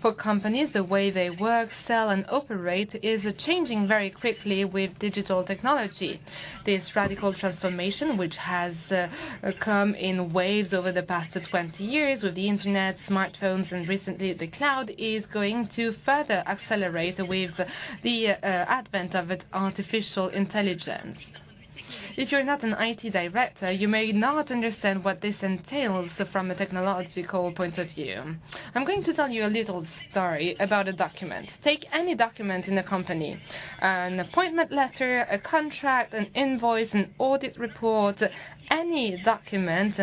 For companies, the way they work, sell, and operate is changing very quickly with digital technology. This radical transformation, which has come in waves over the past 20 years with the internet, smartphones, and recently the cloud, is going to further accelerate with the advent of artificial intelligence.... If you're not an IT director, you may not understand what this entails from a technological point of view. I'm going to tell you a little story about a document. Take any document in a company, an appointment letter, a contract, an invoice, an audit report, any document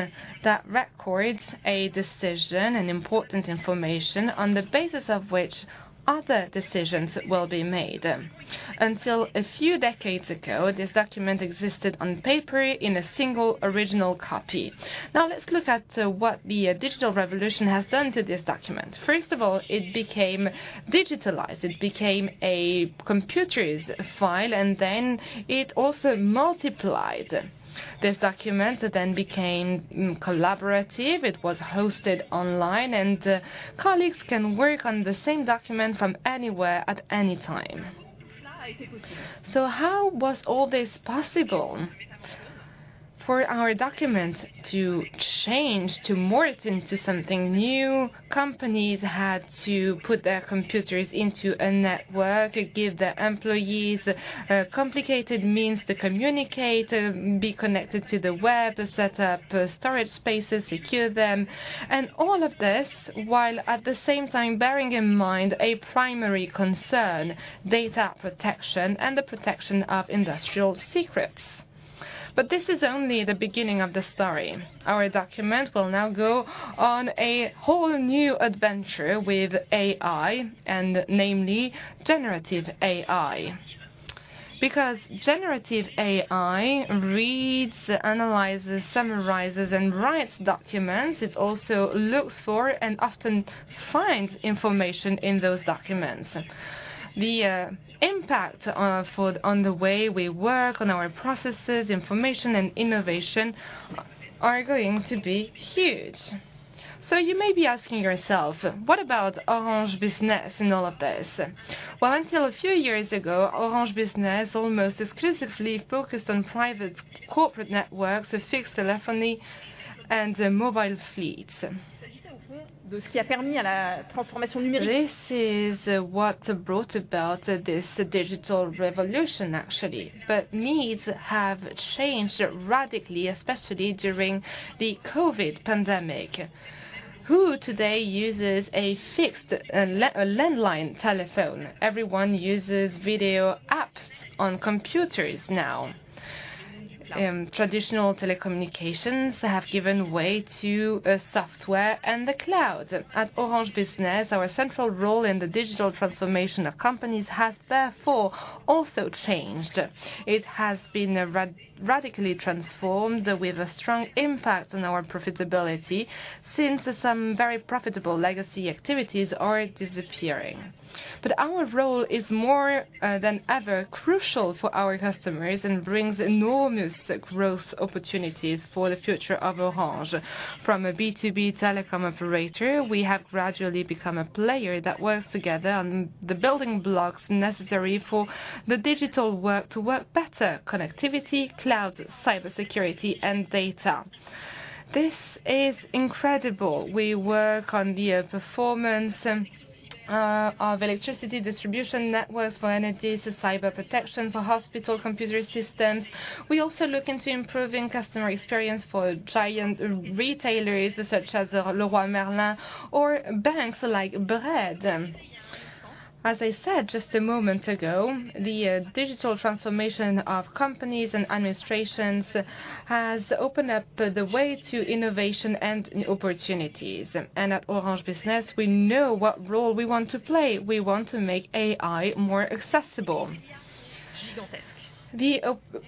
that records a decision and important information, on the basis of which other decisions will be made. Until a few decades ago, this document existed on paper in a single original copy. Now, let's look at what the digital revolution has done to this document. First of all, it became digitalized. It became a computer's file, and then it also multiplied. This document then became collaborative. It was hosted online, and colleagues can work on the same document from anywhere, at any time. So how was all this possible? For our documents to change, to morph into something new, companies had to put their computers into a network, and give their employees complicated means to communicate, be connected to the web, to set up storage spaces, secure them, and all of this, while at the same time bearing in mind a primary concern: data protection and the protection of industrial secrets. But this is only the beginning of the story. Our document will now go on a whole new adventure with AI, and namely, generative AI. Because generative AI reads, analyzes, summarizes, and writes documents, it also looks for and often finds information in those documents. The impact on the way we work, on our processes, information, and innovation are going to be huge. So you may be asking yourself: What about Orange Business in all of this? Well, until a few years ago, Orange Business almost exclusively focused on private corporate networks, so fixed telephony and mobile fleets. This is what brought about this digital revolution, actually. But needs have changed radically, especially during the COVID pandemic. Who today uses a fixed and a landline telephone? Everyone uses video apps on computers now. Traditional telecommunications have given way to software and the cloud. At Orange Business, our central role in the digital transformation of companies has therefore also changed. It has been radically transformed, with a strong impact on our profitability, since some very profitable legacy activities are disappearing. But our role is more than ever crucial for our customers, and brings enormous growth opportunities for the future of Orange. From a B2B telecom operator, we have gradually become a player that works together on the building blocks necessary for the digital work to work better: connectivity, cloud, cybersecurity, and data. This is incredible. We work on the performance of electricity distribution networks for entities, cyber protection for hospital computer systems. We also look into improving customer experience for giant retailers, such as Leroy Merlin or banks like BRED. As I said just a moment ago, the digital transformation of companies and administrations has opened up the way to innovation and new opportunities. At Orange Business, we know what role we want to play. We want to make AI more accessible. The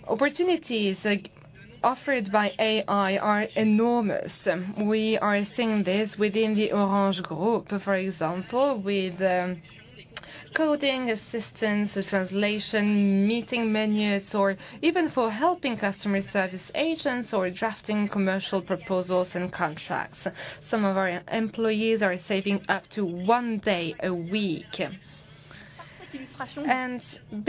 opportunities, like, offered by AI are enormous. We are seeing this within the Orange Group, for example, with coding assistance, translation, meeting minutes, or even for helping customer service agents, or drafting commercial proposals and contracts. Some of our employees are saving up to one day a week.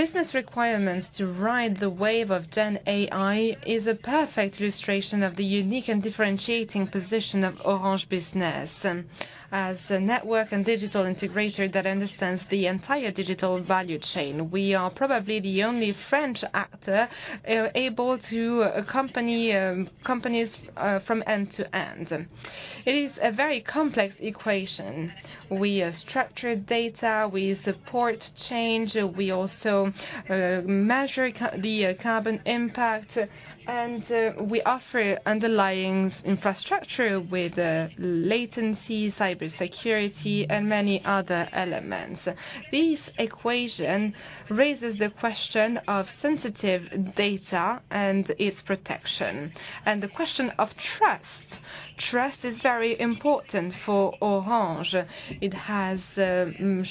Business requirements to ride the wave of GenAI is a perfect illustration of the unique and differentiating position of Orange Business. As a network and digital integrator that understands the entire digital value chain, we are probably the only French actor able to accompany companies from end to end. It is a very complex equation. We structure data, we support change, we also measure the carbon impact, and we offer underlying infrastructure with latency, cybersecurity, and many other elements. This equation raises the question of sensitive data and its protection, and the question of trust. Trust is very important for Orange. It has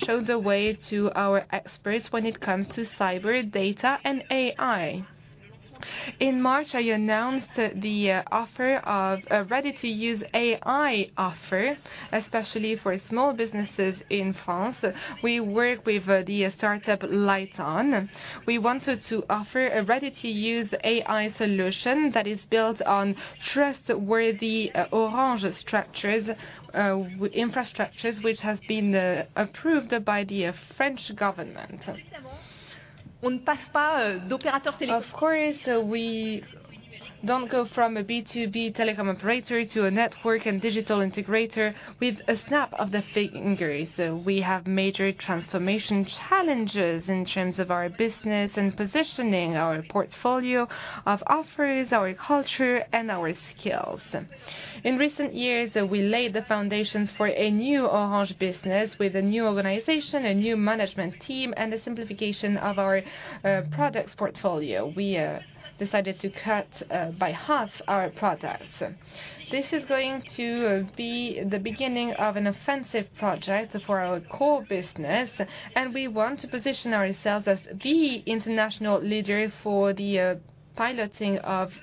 showed the way to our experts when it comes to cyber data and AI. In March, I announced the offer of a ready-to-use AI offer, especially for small businesses in France. We work with the startup LightOn. We wanted to offer a ready-to-use AI solution that is built on trustworthy Orange structures with infrastructures which have been approved by the French government. Of course, we don't go from a B2B telecom operator to a network and digital integrator with a snap of the fingers. We have major transformation challenges in terms of our business and positioning, our portfolio of offers, our culture, and our skills. In recent years, we laid the foundations for a new Orange business with a new organization, a new management team, and a simplification of our products portfolio. We decided to cut by half our products. This is going to be the beginning of an offensive project for our core business, and we want to position ourselves as the international leader for the piloting of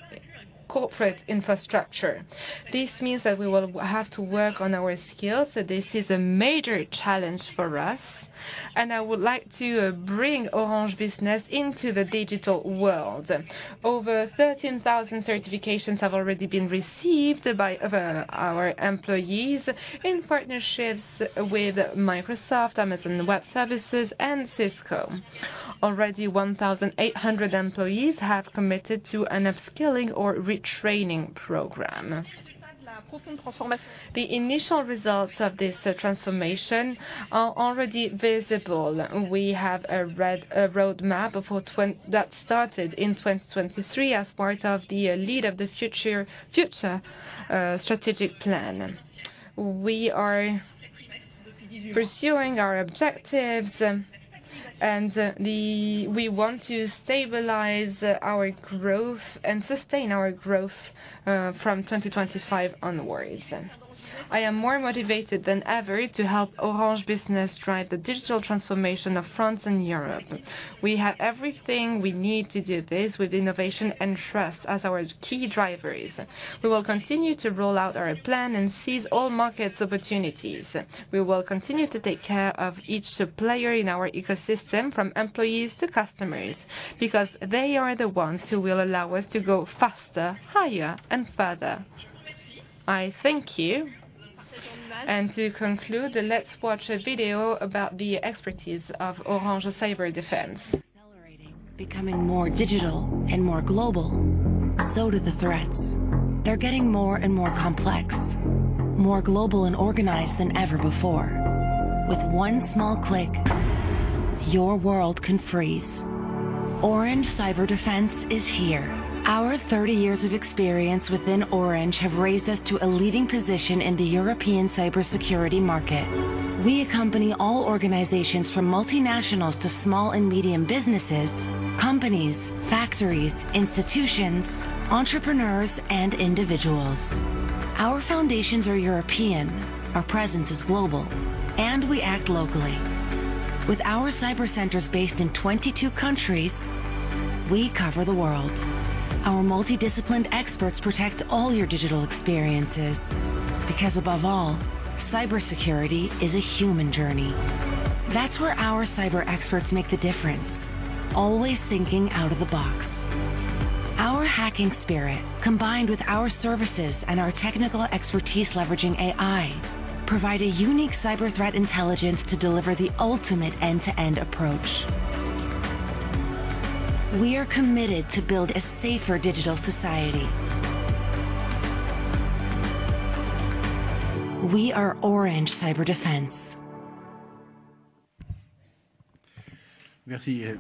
corporate infrastructure. This means that we will have to work on our skills, so this is a major challenge for us, and I would like to bring Orange Business into the digital world. Over 13,000 certifications have already been received by our employees in partnerships with Microsoft, Amazon Web Services, and Cisco. Already, 1,800 employees have committed to an upskilling or retraining program. The initial results of this transformation are already visible. We have a red roadmap that started in 2023 as part of the Lead the Future strategic plan. We are pursuing our objectives, and we want to stabilize our growth and sustain our growth from 2025 onwards. I am more motivated than ever to help Orange Business drive the digital transformation of France and Europe. We have everything we need to do this, with innovation and trust as our key drivers. We will continue to roll out our plan and seize all markets opportunities. We will continue to take care of each supplier in our ecosystem, from employees to customers, because they are the ones who will allow us to go faster, higher, and further. I thank you. And to conclude, let's watch a video about the expertise of Orange Cyberdefense.... accelerating, becoming more digital and more global. So do the threats. They're getting more and more complex, more global and organized than ever before. With one small click, your world can freeze. Orange Cyberdefense is here. Our 30 years of experience within Orange have raised us to a leading position in the European cybersecurity market. We accompany all organizations, from multinationals to small and medium businesses, companies, factories, institutions, entrepreneurs, and individuals. Our foundations are European, our presence is global, and we act locally. With our cyber centers based in 22 countries, we cover the world. Our multidisciplinary experts protect all your digital experiences, because above all, cybersecurity is a human journey. That's where our cyber experts make a difference, always thinking out of the box. Our hacking spirit, combined with our services and our technical expertise leveraging AI, provide a unique cyber threat intelligence to deliver the ultimate end-to-end approach. We are committed to build a safer digital society. We are Orange Cyberdefense. Merci. Merci, Aliette. Thank you,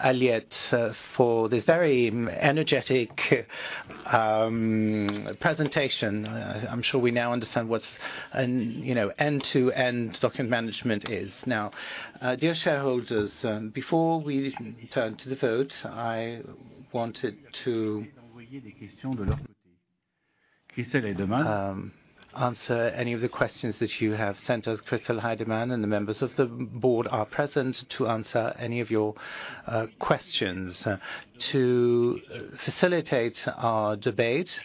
Aliette, for this very energetic presentation. I'm sure we now understand what's an, you know, end-to-end document management is. Now, dear shareholders, before we turn to the vote, I wanted to answer any of the questions that you have sent us. Christel Heydemann and the members of the board are present to answer any of your questions. To facilitate our debate,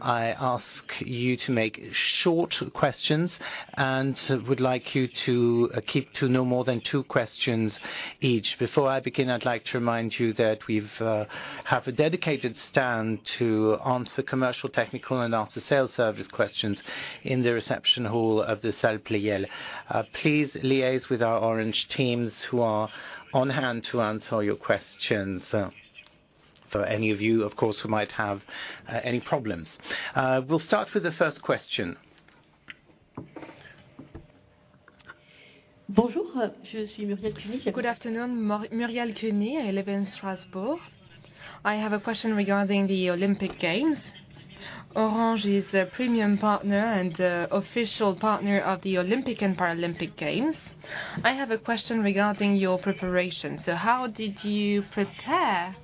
I ask you to make short questions, and would like you to keep to no more than two questions each. Before I begin, I'd like to remind you that we have a dedicated stand to answer commercial, technical, and after-sales service questions in the reception hall of the Salle Pleyel. Please liaise with our Orange teams, who are on hand to answer all your questions, for any of you, of course, who might have any problems. We'll start with the first question. Bonjour, Good afternoon, Muriel Cuny. I live in Strasbourg. I have a question regarding the Olympic Games. Orange is a premium partner and official partner of the Olympic and Paralympic Games. I have a question regarding your preparation. So how did you prepare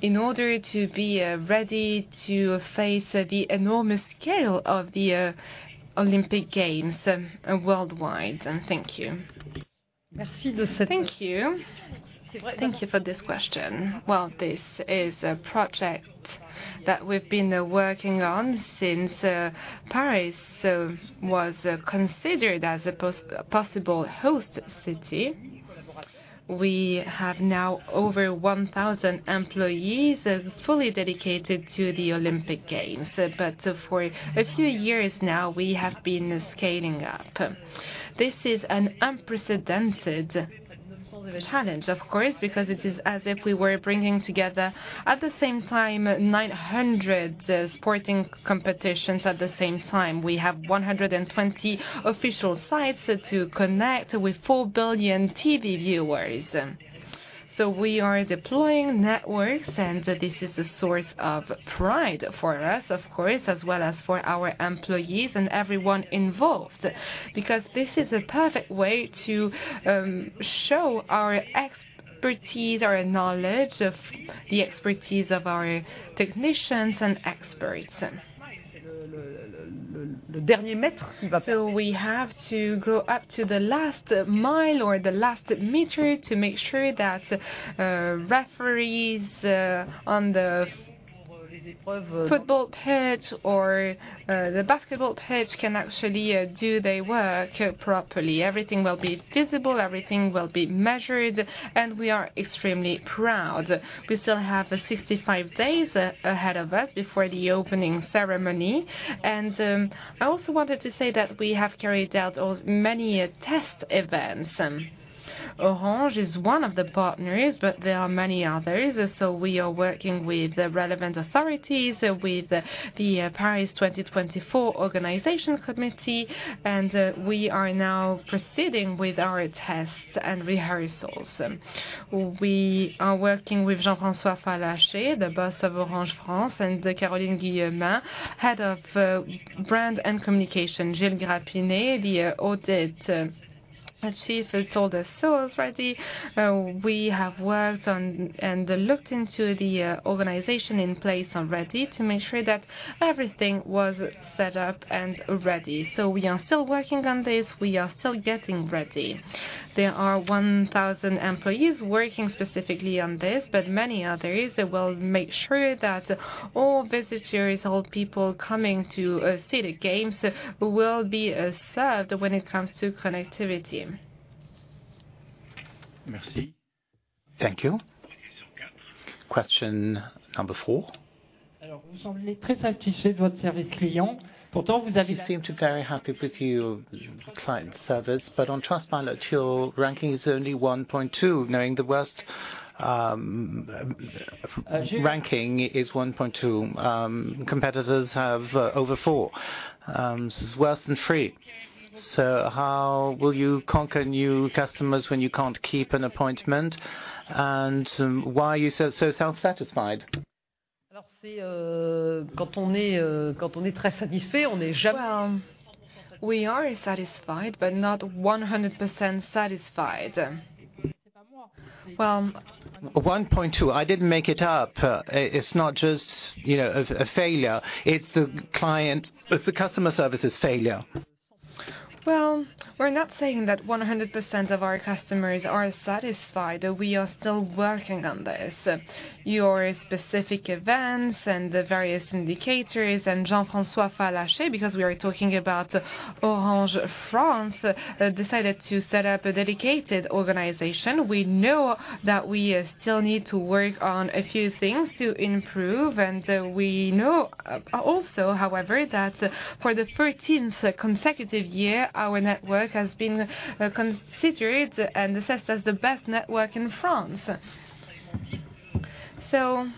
in order to be ready to face the enormous scale of the Olympic Games worldwide? And thank you. Thank you. Thank you for this question. Well, this is a project that we've been working on since Paris was considered as a possible host city. We have now over 1,000 employees fully dedicated to the Olympic Games. But for a few years now, we have been scaling up. This is an unprecedented... challenge, of course, because it is as if we were bringing together, at the same time, 900 sporting competitions at the same time. We have 120 official sites to connect with 4 billion TV viewers. So we are deploying networks, and this is a source of pride for us, of course, as well as for our employees and everyone involved. Because this is a perfect way to show our expertise, our knowledge of the expertise of our technicians and experts. So we have to go up to the last mile or the last meter to make sure that referees on the football pitch or the basketball pitch can actually do their work properly. Everything will be visible, everything will be measured, and we are extremely proud. We still have 65 days ahead of us before the opening ceremony. I also wanted to say that we have carried out many test events. Orange is one of the partners, but there are many others. So we are working with the relevant authorities, with the Paris 2024 organization committee, and we are now proceeding with our tests and rehearsals. We are working with Jean-François Fallacher, the boss of Orange France, and Caroline Guillemin, head of Brand and Communication. Gilles Grapinet, the audit chief, has all the stores ready. We have worked on and looked into the organization in place already to make sure that everything was set up and ready. So we are still working on this. We are still getting ready. There are 1,000 employees working specifically on this, but many others that will make sure that all visitors, all people coming to see the games, will be served when it comes to connectivity. Merci. Thank you. Question number 4. You seem to very happy with your client service, but on Trustpilot, your ranking is only 1.2, knowing the worst, ranking is 1.2. Competitors have, over 4. This is worse than 3. So how will you conquer new customers when you can't keep an appointment? And, why are you so, so self-satisfied? Well, we are satisfied, but not 100% satisfied. 1.2, I didn't make it up. It's not just, you know, a failure, it's a client - it's a customer services failure. Well, we're not saying that 100% of our customers are satisfied. We are still working on this. Your specific events and the various indicators. And Jean-François Fallacher, because we are talking about Orange France, decided to set up a dedicated organization. We know that we still need to work on a few things to improve, and we know also, however, that for the thirteenth consecutive year, our network has been considered and assessed as the best network in France. So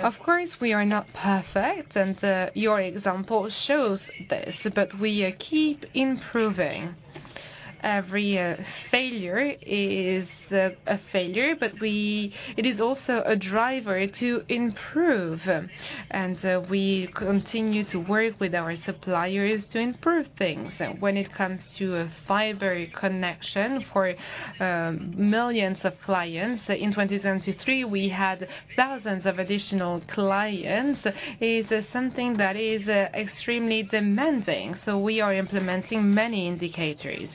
of course, we are not perfect, and your example shows this, but we keep improving. Every failure is a failure, but it is also a driver to improve. And we continue to work with our suppliers to improve things. When it comes to a fiber connection for millions of clients, in 2023, we had thousands of additional clients, is something that is extremely demanding, so we are implementing many indicators.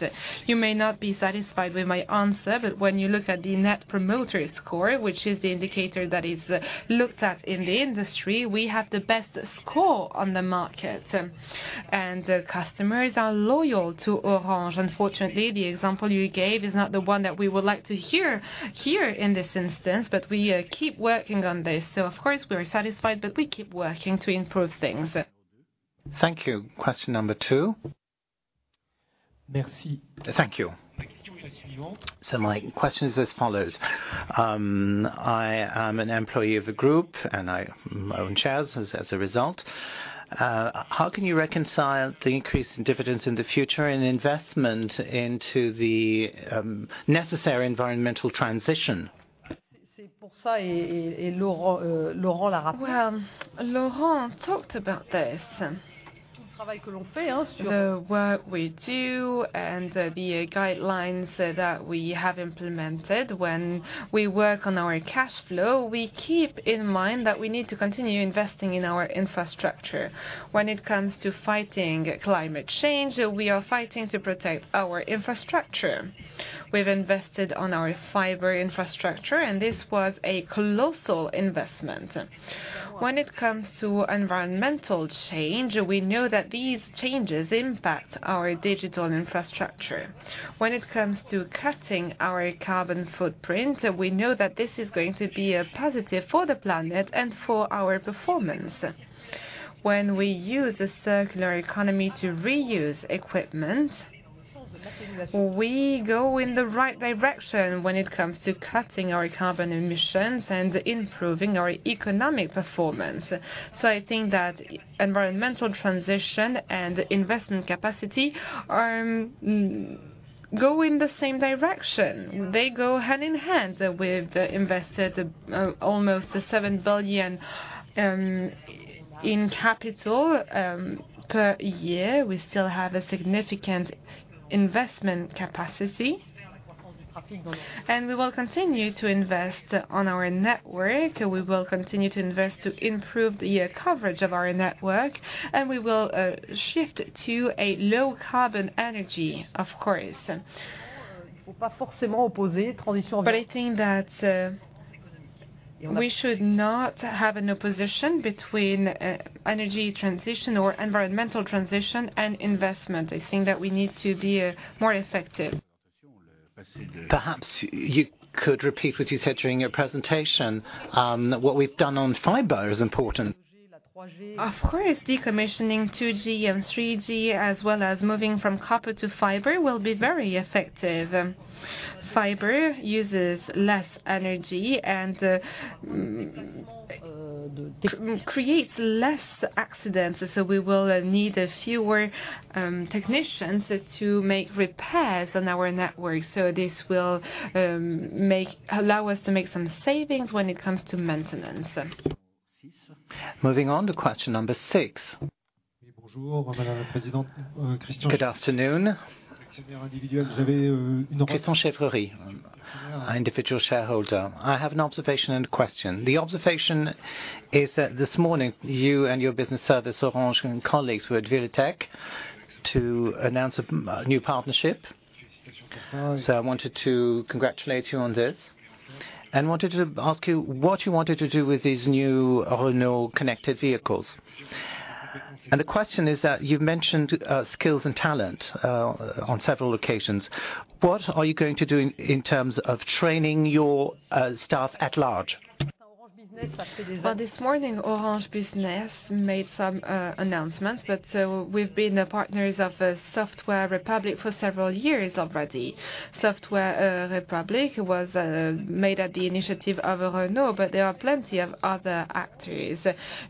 You may not be satisfied with my answer, but when you look at the Net Promoter Score, which is the indicator that is looked at in the industry, we have the best score on the market, and the customers are loyal to Orange. Unfortunately, the example you gave is not the one that we would like to hear, here in this instance, but we keep working on this. So of course, we are satisfied, but we keep working to improve things. Thank you. Question number two. Merci. Thank you. My question is as follows: I am an employee of the group, and I own shares as, as a result. How can you reconcile the increase in dividends in the future and investment into the necessary environmental transition? Well, Laurent talked about this. The work we do and the guidelines that we have implemented. When we work on our cash flow, we keep in mind that we need to continue investing in our infrastructure. When it comes to fighting climate change, we are fighting to protect our infrastructure. We've invested on our fiber infrastructure, and this was a colossal investment. When it comes to environmental change, we know that these changes impact our digital infrastructure. When it comes to cutting our carbon footprint, we know that this is going to be a positive for the planet and for our performance. When we use a circular economy to reuse equipment, we go in the right direction when it comes to cutting our carbon emissions and improving our economic performance. So I think that environmental transition and investment capacity go in the same direction. They go hand in hand. We've invested almost 7 billion in capital per year. We still have a significant investment capacity, and we will continue to invest on our network, and we will continue to invest to improve the coverage of our network, and we will shift to a low carbon energy, of course. But I think that we should not have an opposition between energy transition or environmental transition and investment. I think that we need to be more effective. Perhaps you could repeat what you said during your presentation, that what we've done on fiber is important. Of course, decommissioning 2G and 3G, as well as moving from copper to fiber, will be very effective. Fiber uses less energy and creates less accidents, so we will need fewer technicians to make repairs on our network. So this will allow us to make some savings when it comes to maintenance. Moving on to question number 6. Good afternoon. Christian Ciaffieri, an individual shareholder. I have an observation and a question. The observation is that this morning, you and your Orange Business Services and colleagues were at VivaTech to announce a new partnership. So I wanted to congratulate you on this, and wanted to ask you what you wanted to do with these new Renault connected vehicles? And the question is that you've mentioned skills and talent on several occasions. What are you going to do in terms of training your staff at large? Well, this morning, Orange Business made some announcements, but we've been partners of Software République for several years already. Software République was made at the initiative of Renault, but there are plenty of other actors.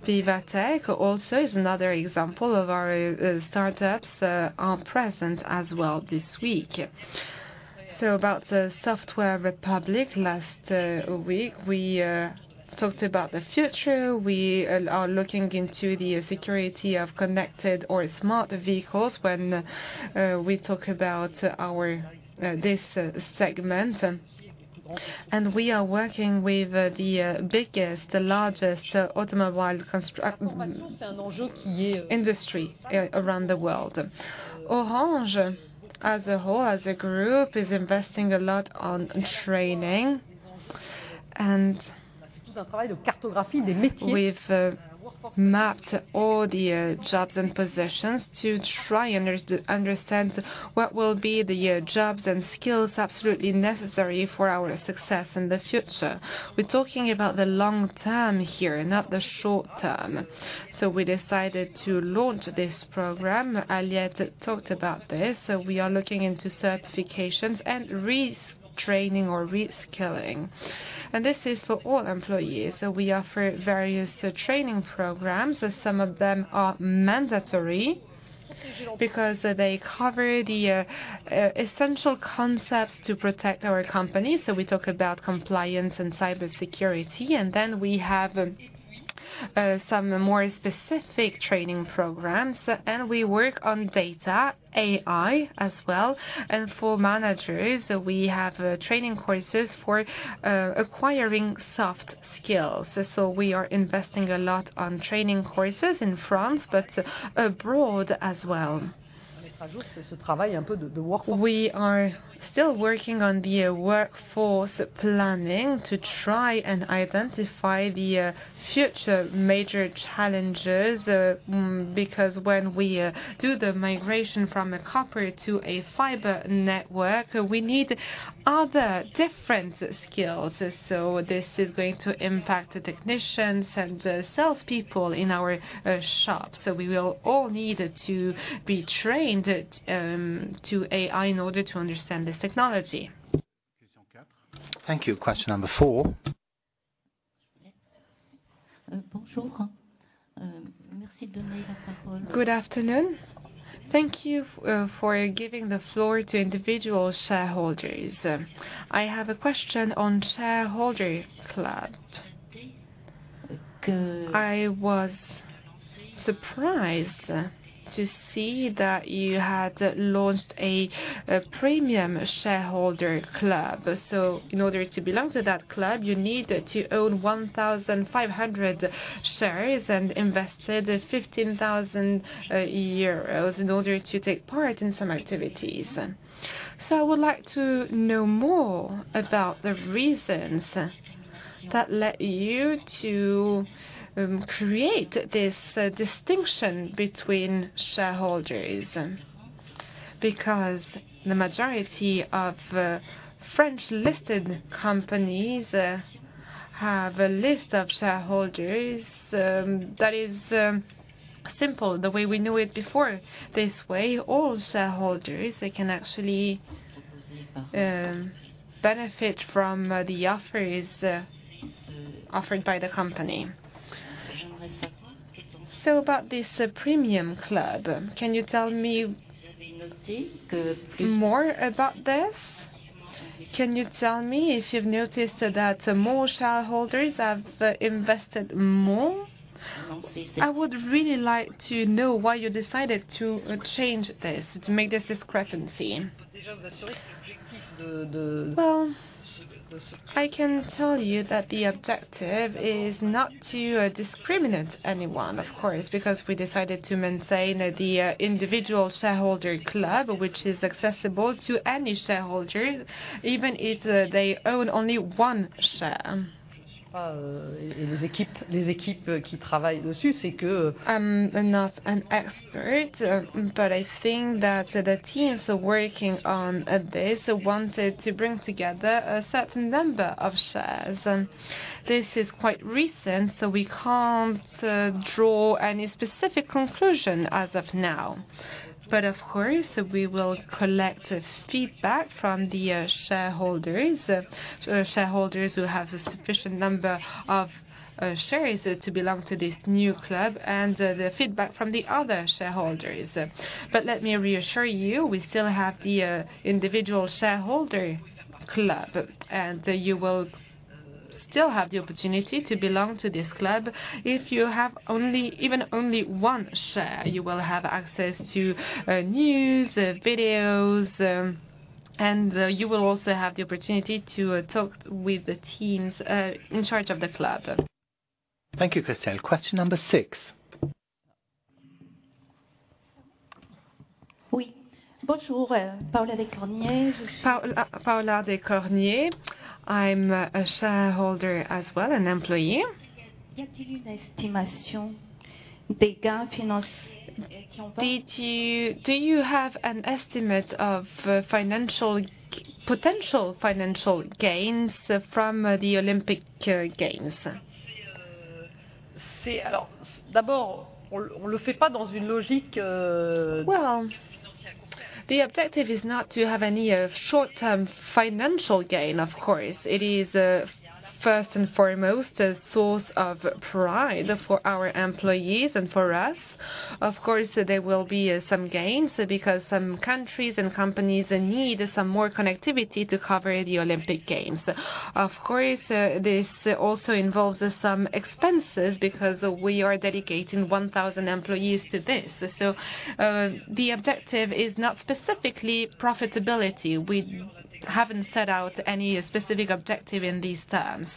VivaTech also is another example of our startups are present as well this week. So about the Software République, last week, we talked about the future. We are looking into the security of connected or smart vehicles when we talk about our this segment. And we are working with the biggest, the largest automobile constructors around the world. Orange, as a whole, as a group, is investing a lot on training, and we've mapped all the jobs and positions to try and understand what will be the jobs and skills absolutely necessary for our success in the future. We're talking about the long term here, not the short term. So we decided to launch this program. Aliette talked about this. So we are looking into certifications and re-training or re-skilling. And this is for all employees, so we offer various training programs. Some of them are mandatory because they cover the essential concepts to protect our company. So we talk about compliance and cybersecurity, and then we have some more specific training programs, and we work on data, AI as well. And for managers, we have training courses for acquiring soft skills. We are investing a lot on training courses in France, but abroad as well. We are still working on the workforce planning to try and identify the future major challenges, because when we do the migration from a copper to a fiber network, we need other different skills. This is going to impact the technicians and the salespeople in our shops. We will all need to be trained to AI in order to understand this technology. Thank you. Question number four. Good afternoon. Thank you for giving the floor to individual shareholders. I have a question on Shareholder Club. I was surprised to see that you had launched a premium shareholder club. So in order to belong to that club, you need to own 1,500 shares and invested 15,000 euros in order to take part in some activities. So I would like to know more about the reasons that led you to create this distinction between shareholders? Because the majority of French-listed companies have a list of shareholders that is simple, the way we knew it before. This way, all shareholders, they can actually benefit from the offers offered by the company. So about this premium club, can you tell me more about this? Can you tell me if you've noticed that more shareholders have invested more? I would really like to know why you decided to change this, to make this discrepancy. Well, I can tell you that the objective is not to discriminate anyone, of course, because we decided to maintain the individual shareholder club, which is accessible to any shareholder, even if they own only one share. I'm not an expert, but I think that the teams working on this wanted to bring together a certain number of shares. This is quite recent, so we can't draw any specific conclusion as of now. Of course, we will collect feedback from the shareholders, shareholders who have a sufficient number of shares to belong to this new club, and the feedback from the other shareholders. But let me reassure you, we still have the individual shareholder club, and you will still have the opportunity to belong to this club. If you have only, even only one share, you will have access to news, videos, and you will also have the opportunity to talk with the teams in charge of the club. Thank you, Christel. Question number six. Oui. Paula Ducognets. I'm a shareholder as well, an employee. Do you have an estimate of financial... potential financial gains from the Olympic Games? Well, the objective is not to have any short-term financial gain, of course. It is first and foremost a source of pride for our employees and for us. Of course, there will be some gains, because some countries and companies need some more connectivity to cover the Olympic Games. Of course, this also involves some expenses, because we are dedicating 1,000 employees to this. So, the objective is not specifically profitability. We haven't set out any specific objective in these terms,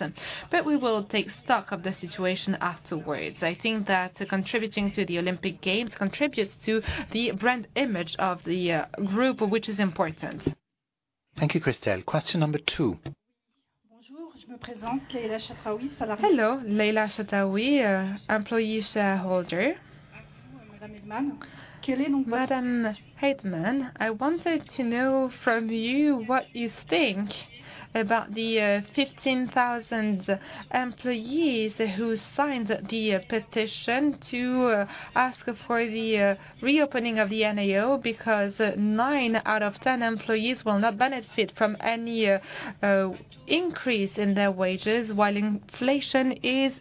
but we will take stock of the situation afterwards. I think that contributing to the Olympic Games contributes to the brand image of the group, which is important. Thank you, Christel. Question number two. Hello, Leïla Chataoui, employee shareholder. Madame Heydemann, I wanted to know from you what you think about the 15,000 employees who signed the petition to ask for the reopening of the NAO, because nine out of ten employees will not benefit from any increase in their wages, while inflation is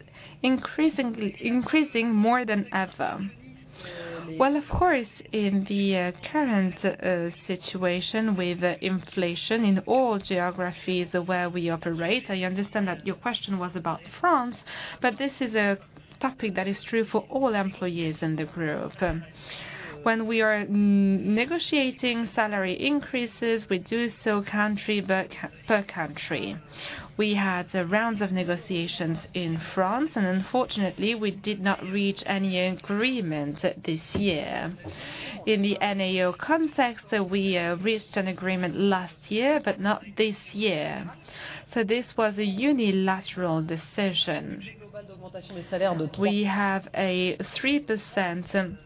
increasingly increasing more than ever. Well, of course, in the current situation with inflation in all geographies where we operate, I understand that your question was about France, but this is a topic that is true for all employees in the group. When we are negotiating salary increases, we do so country per country. We had rounds of negotiations in France, and unfortunately, we did not reach any agreement this year. In the NAO context, we reached an agreement last year, but not this year. So this was a unilateral decision. We have a 3%,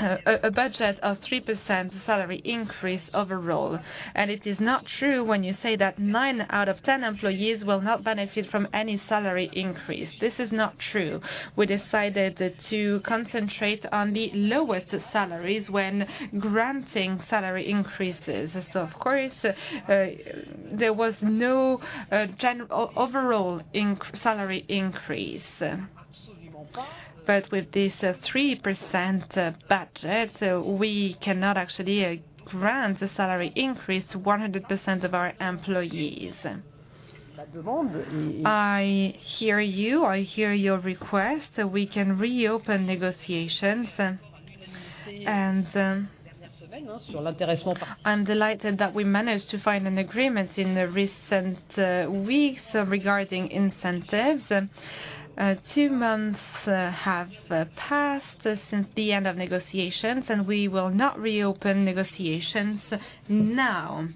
a budget of 3% salary increase overall, and it is not true when you say that nine out of ten employees will not benefit from any salary increase. This is not true. We decided to concentrate on the lowest salaries when granting salary increases. So of course, there was no overall salary increase. But with this 3% budget, we cannot actually grant a salary increase to 100% of our employees. I hear you. I hear your request. We can reopen negotiations, and I'm delighted that we managed to find an agreement in the recent weeks regarding incentives. Two months have passed since the end of negotiations, and we will not reopen negotiations now.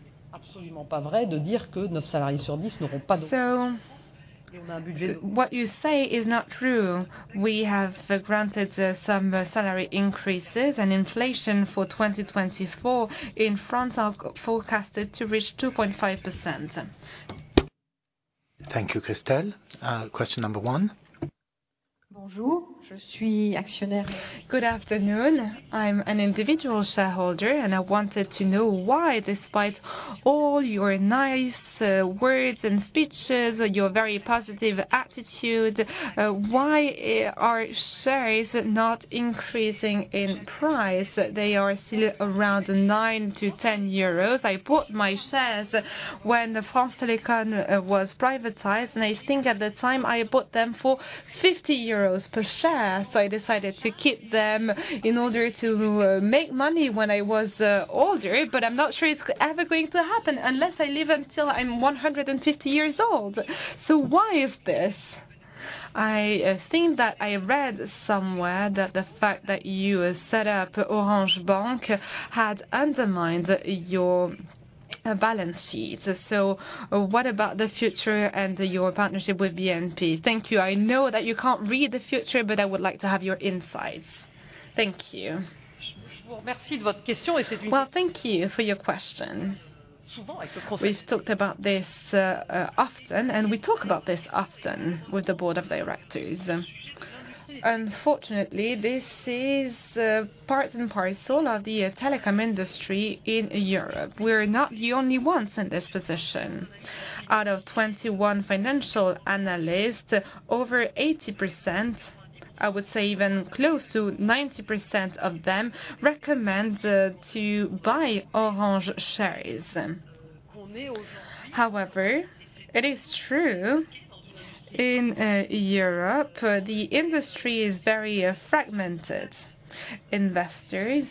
What you say is not true. We have granted some salary increases and inflation for 2024 in France are forecasted to reach 2.5%. Thank you, Christel. Question number one. Good afternoon. I'm an individual shareholder, and I wanted to know why, despite all your nice words and speeches, and your very positive attitude, why are shares not increasing in price? They are still around 9-10 euros. I bought my shares when the France Télécom was privatized, and I think at the time I bought them for 50 euros per share. So I decided to keep them in order to make money when I was older, but I'm not sure it's ever going to happen unless I live until I'm 150 years old. So why is this? I think that I read somewhere that the fact that you set up Orange Bank had undermined your balance sheet. So what about the future and your partnership with BNP? Thank you. I know that you can't read the future, but I would like to have your insights. Thank you. Well, thank you for your question. We've talked about this, often, and we talk about this often with the board of directors. Unfortunately, this is, part and parcel of the telecom industry in Europe. We're not the only ones in this position. Out of 21 financial analysts, over 80%, I would say even close to 90% of them, recommend, to buy Orange shares. However, it is true, in, Europe, the industry is very, fragmented. Investors,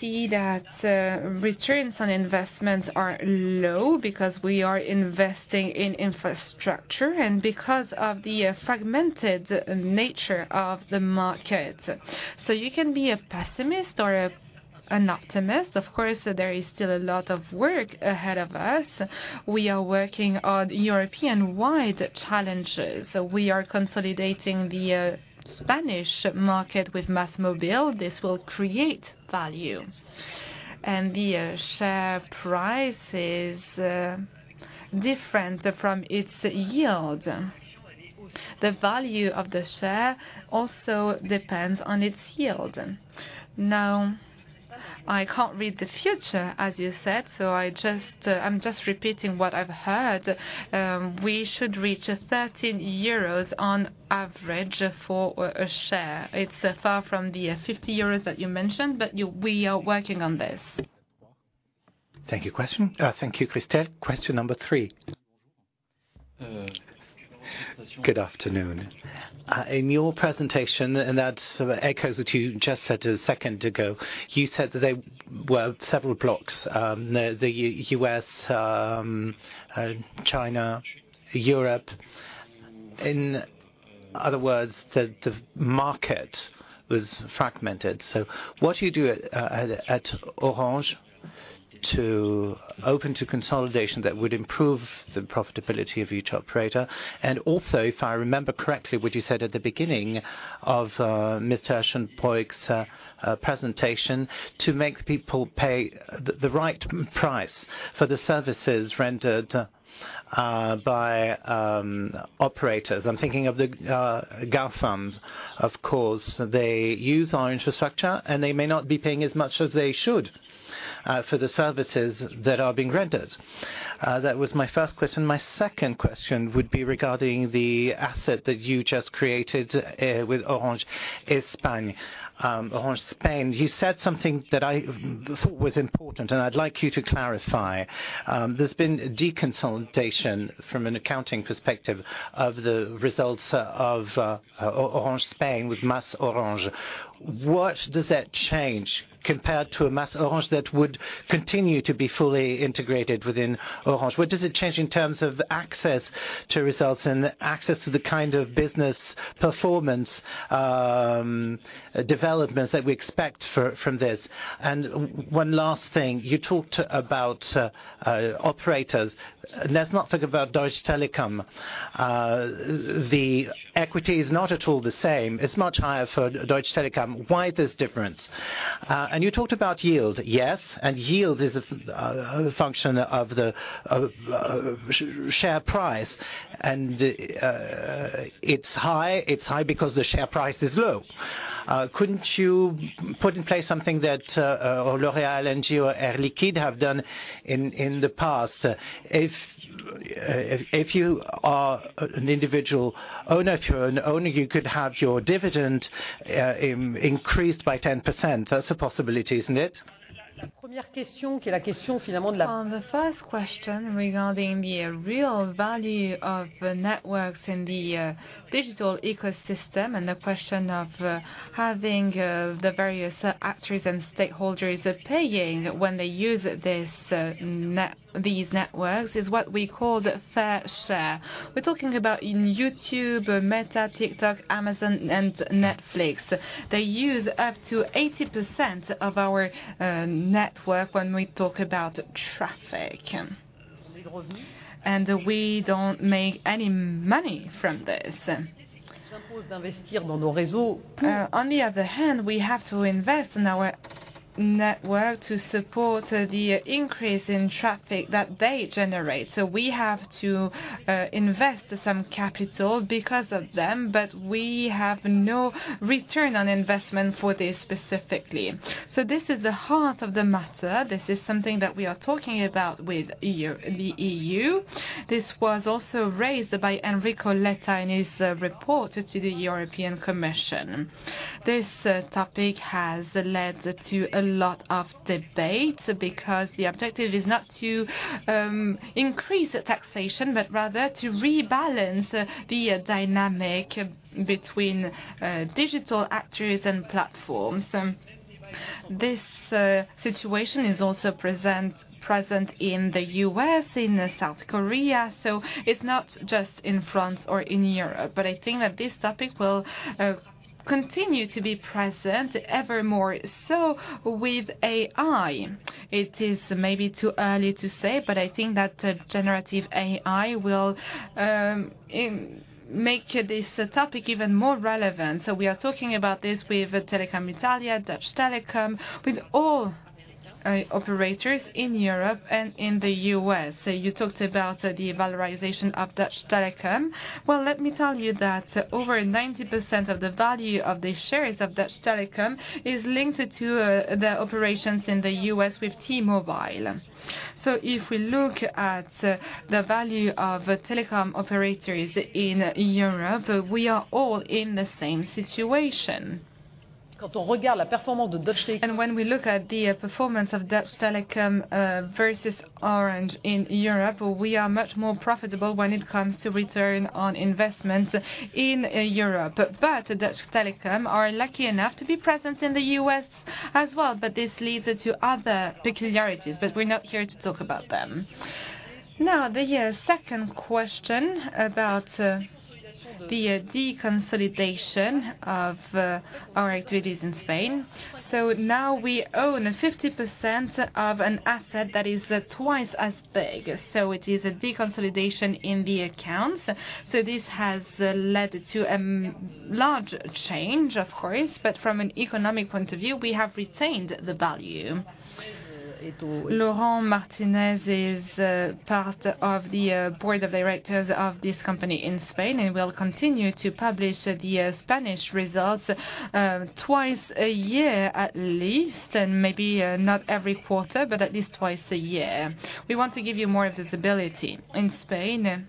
see that, returns on investments are low because we are investing in infrastructure and because of the, fragmented nature of the market. So you can be a pessimist or a, an optimist. Of course, there is still a lot of work ahead of us. We are working on European-wide challenges. We are consolidating the Spanish market with MÁSMÓVIL. This will create value. The share price is different from its yield. The value of the share also depends on its yield. Now, I can't read the future, as you said, so I just, I'm just repeating what I've heard. We should reach 13 euros on average for a share. It's far from the 50 euros that you mentioned, but we are working on this. Thank you, question. Thank you, Christel. Question number three. Good afternoon. In your presentation, and that echoes what you just said a second ago, you said that there were several blocks, the U.S., China, Europe. In other words, the market was fragmented. So what do you do at Orange to open to consolidation that would improve the profitability of your operator? And also, if I remember correctly, what you said at the beginning of Mr. Aschenbroich presentation, to make people pay the right price for the services rendered by operators. I'm thinking of the GAFAMs, of course. They use our infrastructure, and they may not be paying as much as they should for the services that are being rendered. That was my first question. My second question would be regarding the asset that you just created with Orange Spain, Orange Spain. You said something that I thought was important, and I'd like you to clarify. There's been deconsolidation from an accounting perspective of the results of Orange Spain with MasOrange. What does that change compared to a MasOrange that would continue to be fully integrated within Orange? What does it change in terms of access to results and access to the kind of business performance developments that we expect from this? And one last thing, you talked about operators. Let's not forget about Deutsche Telekom. The equity is not at all the same. It's much higher for Deutsche Telekom. Why this difference? And you talked about yield. Yes, and yield is a function of the share price, and it's high. It's high because the share price is low. Couldn't you put in place something that L'Oréal and Air Liquide have done in the past? If you are an individual owner, if you're an owner, you could have your dividend increased by 10%. That's a possibility, isn't it? On the first question, regarding the real value of the networks in the digital ecosystem and the question of having the various actors and stakeholders paying when they use these networks, is what we call fair share. We're talking about YouTube, Meta, TikTok, Amazon and Netflix. They use up to 80% of our network when we talk about traffic. And we don't make any money from this. On the other hand, we have to invest in our network to support the increase in traffic that they generate. So we have to invest some capital because of them, but we have no return on investment for this specifically. So this is the heart of the matter. This is something that we are talking about with the EU. This was also raised by Enrico Letta in his report to the European Commission. This topic has led to a lot of debate, because the objective is not to increase the taxation, but rather to rebalance the dynamic between digital actors and platforms. This situation is also present in the U.S., in South Korea, so it's not just in France or in Europe. But I think that this topic will continue to be present ever more so with AI. It is maybe too early to say, but I think that generative AI will make this topic even more relevant. So we are talking about this with Telecom Italia, Deutsche Telekom, with all operators in Europe and in the U.S. So you talked about the valorization of Deutsche Telekom. Well, let me tell you that over 90% of the value of the shares of Deutsche Telekom is linked to their operations in the U.S. with T-Mobile. So if we look at the value of telecom operators in Europe, we are all in the same situation. And when we look at the performance of Deutsche Telekom versus Orange in Europe, we are much more profitable when it comes to return on investment in Europe. But Deutsche Telekom are lucky enough to be present in the U.S. as well, but this leads to other peculiarities, but we're not here to talk about them. Now, the second question about the deconsolidation of our activities in Spain. So now we own 50% of an asset that is twice as big, so it is a deconsolidation in the accounts. So this has led to large change, of course, but from an economic point of view, we have retained the value. Laurent Martinez is part of the board of directors of this company in Spain, and will continue to publish the Spanish results twice a year, at least, and maybe not every quarter, but at least twice a year. We want to give you more visibility. In Spain,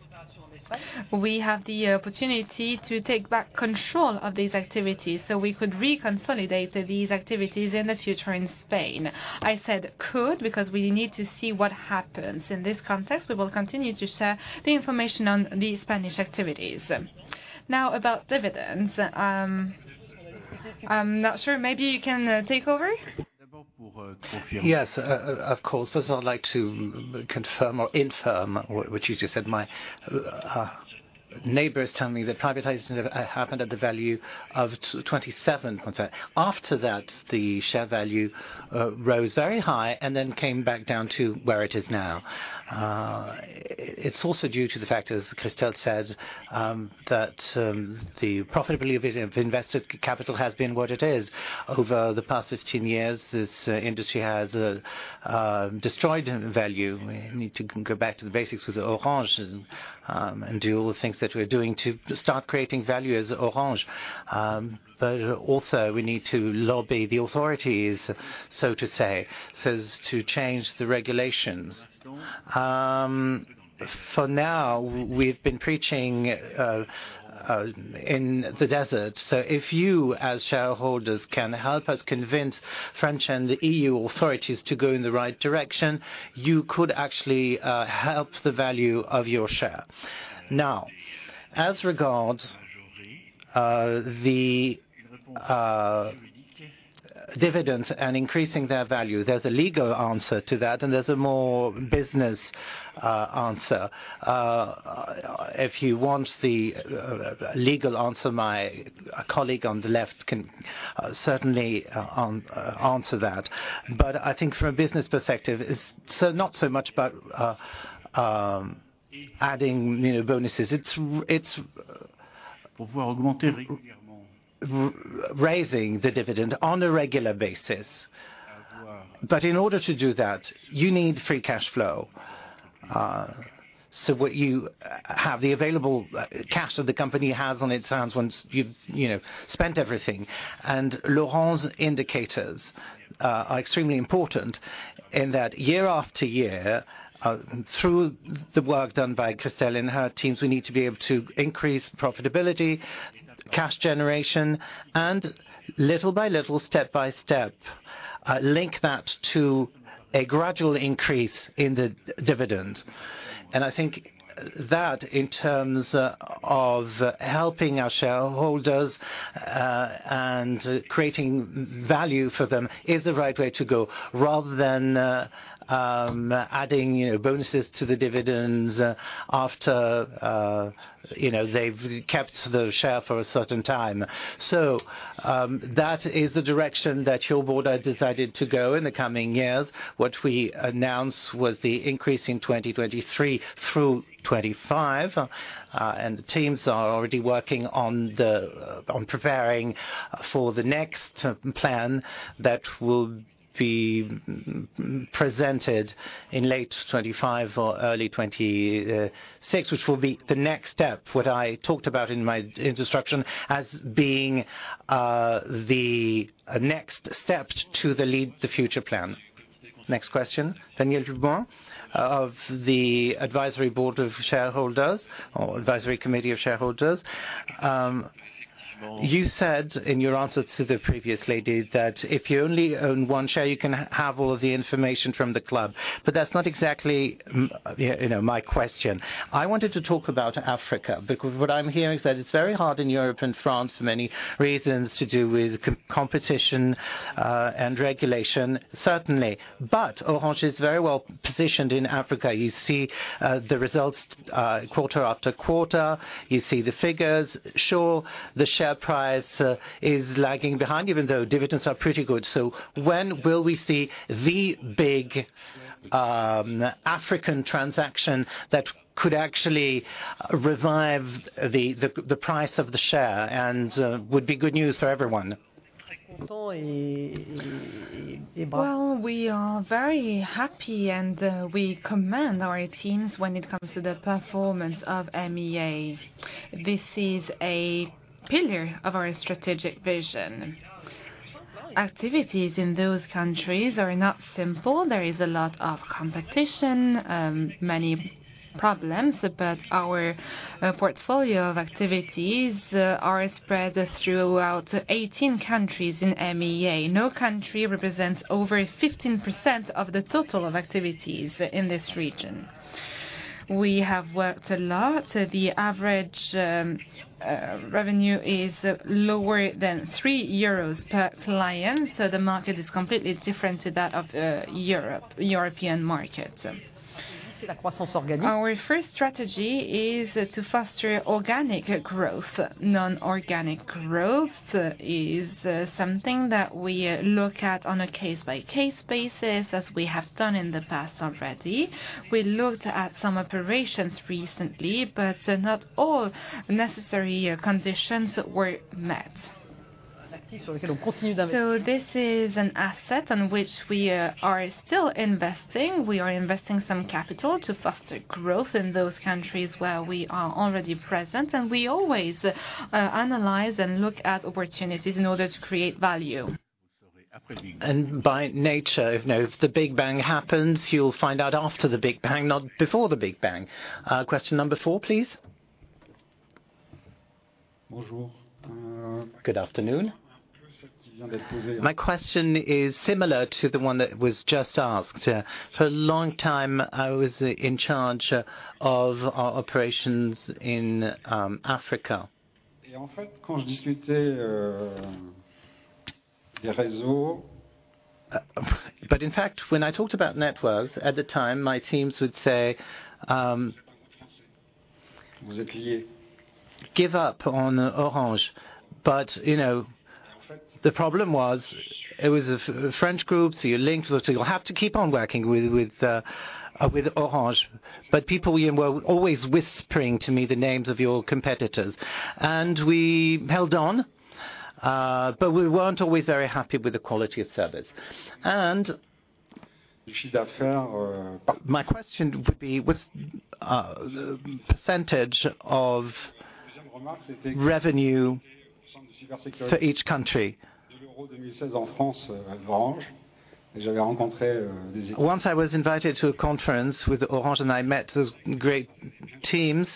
we have the opportunity to take back control of these activities, so we could reconsolidate these activities in the future in Spain. I said, could, because we need to see what happens. In this context, we will continue to share the information on the Spanish activities. Now, about dividends. I'm not sure. Maybe you can take over? Yes, of course. First, I'd like to confirm or infirm what you just said. My neighbors tell me that privatization happened at the value of 27%. After that, the share value rose very high and then came back down to where it is now. It's also due to the fact, as Christel said, that the profitability of invested capital has been what it is. Over the past 15 years, this industry has destroyed in value. We need to go back to the basics with Orange and do all the things that we're doing to start creating value as Orange. But also we need to lobby the authorities, so to say, so as to change the regulations. For now, we've been preaching in the desert. So if you, as shareholders, can help us convince French and the EU authorities to go in the right direction, you could actually help the value of your share. Now, as regards the dividends and increasing their value, there's a legal answer to that, and there's a more business answer. If you want the legal answer, my colleague on the left can certainly answer that. But I think from a business perspective, it's not so much about adding, you know, bonuses. It's raising the dividend on a regular basis. But in order to do that, you need free cash flow. So what you have, the available cash that the company has on its hands once you've, you know, spent everything. Laurent's indicators are extremely important in that year after year, through the work done by Christel and her teams, we need to be able to increase profitability, cash generation, and little by little, step by step, link that to a gradual increase in the dividend. And I think that, in terms, of helping our shareholders and creating value for them is the right way to go, rather than, you know, adding, you know, bonuses to the dividends after, you know, they've kept the share for a certain time. So, that is the direction that your board has decided to go in the coming years. What we announced was the increase in 2023 through 2025, and the teams are already working on preparing for the next plan that will be presented in late 2025 or early 2026, which will be the next step. What I talked about in my introduction as being the next step to the Lead the Future plan. Next question. Daniel Dubois of the Advisory Board of Shareholders or Advisory Committee of Shareholders. You said in your answer to the previous lady, that if you only own one share, you can have all of the information from the club, but that's not exactly, you know, my question. I wanted to talk about Africa, because what I'm hearing is that it's very hard in Europe and France for many reasons to do with competition, and regulation, certainly. But Orange is very well positioned in Africa. You see the results quarter after quarter. You see the figures. Sure, the share price is lagging behind, even though dividends are pretty good. So when will we see the big African transaction that could actually revive the price of the share and would be good news for everyone? Well, we are very happy, and, we commend our teams when it comes to the performance of MEA. This is a pillar of our strategic vision. Activities in those countries are not simple. There is a lot of competition, many problems, but our, portfolio of activities, are spread throughout 18 countries in MEA. No country represents over 15% of the total of activities in this region. We have worked a lot. The average, revenue is lower than 3 euros per client, so the market is completely different to that of, Europe, European market. Our first strategy is to foster organic growth. Non-organic growth, is, something that we, look at on a case-by-case basis, as we have done in the past already. We looked at some operations recently, but not all necessary, conditions were met. This is an asset on which we are still investing. We are investing some capital to foster growth in those countries where we are already present, and we always analyze and look at opportunities in order to create value. By nature, if the Big Banghappens, you'll find out after the Big Bang, not before the Big Bang. Question number four, please. Good afternoon. My question is similar to the one that was just asked. For a long time, I was in charge of our operations in Africa. But in fact, when I talked about networks at the time, my teams would say, give up on Orange. But, you know, the problem was, it was a French group, so you're linked, so you'll have to keep on working with Orange. But people were always whispering to me the names of your competitors, and we held on, but we weren't always very happy with the quality of service. And my question would be, what's the percentage of revenue for each country? Once I was invited to a conference with Orange, and I met those great teams,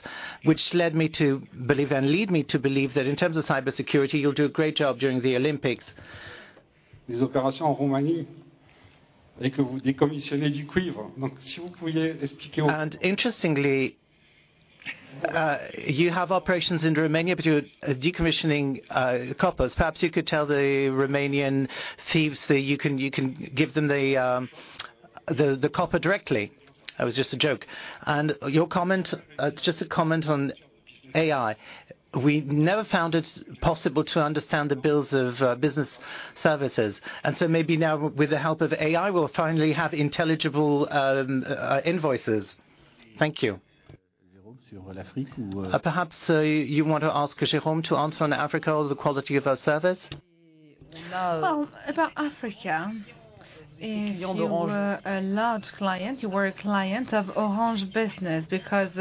which led me to believe that in terms of cybersecurity, you'll do a great job during the Olympics. Interestingly, you have operations in Romania, but you're decommissioning copper. Perhaps you could tell the Romanian thieves that you can give them the copper directly. That was just a joke. Your comment, just a comment on AI. We never found it possible to understand the bills of business services, and so maybe now, with the help of AI, we'll finally have intelligible invoices. Thank you. Perhaps you want to ask Jérôme to answer on Africa or the quality of our service? Well, about Africa, if you were a large client, you were a client of Orange Business, because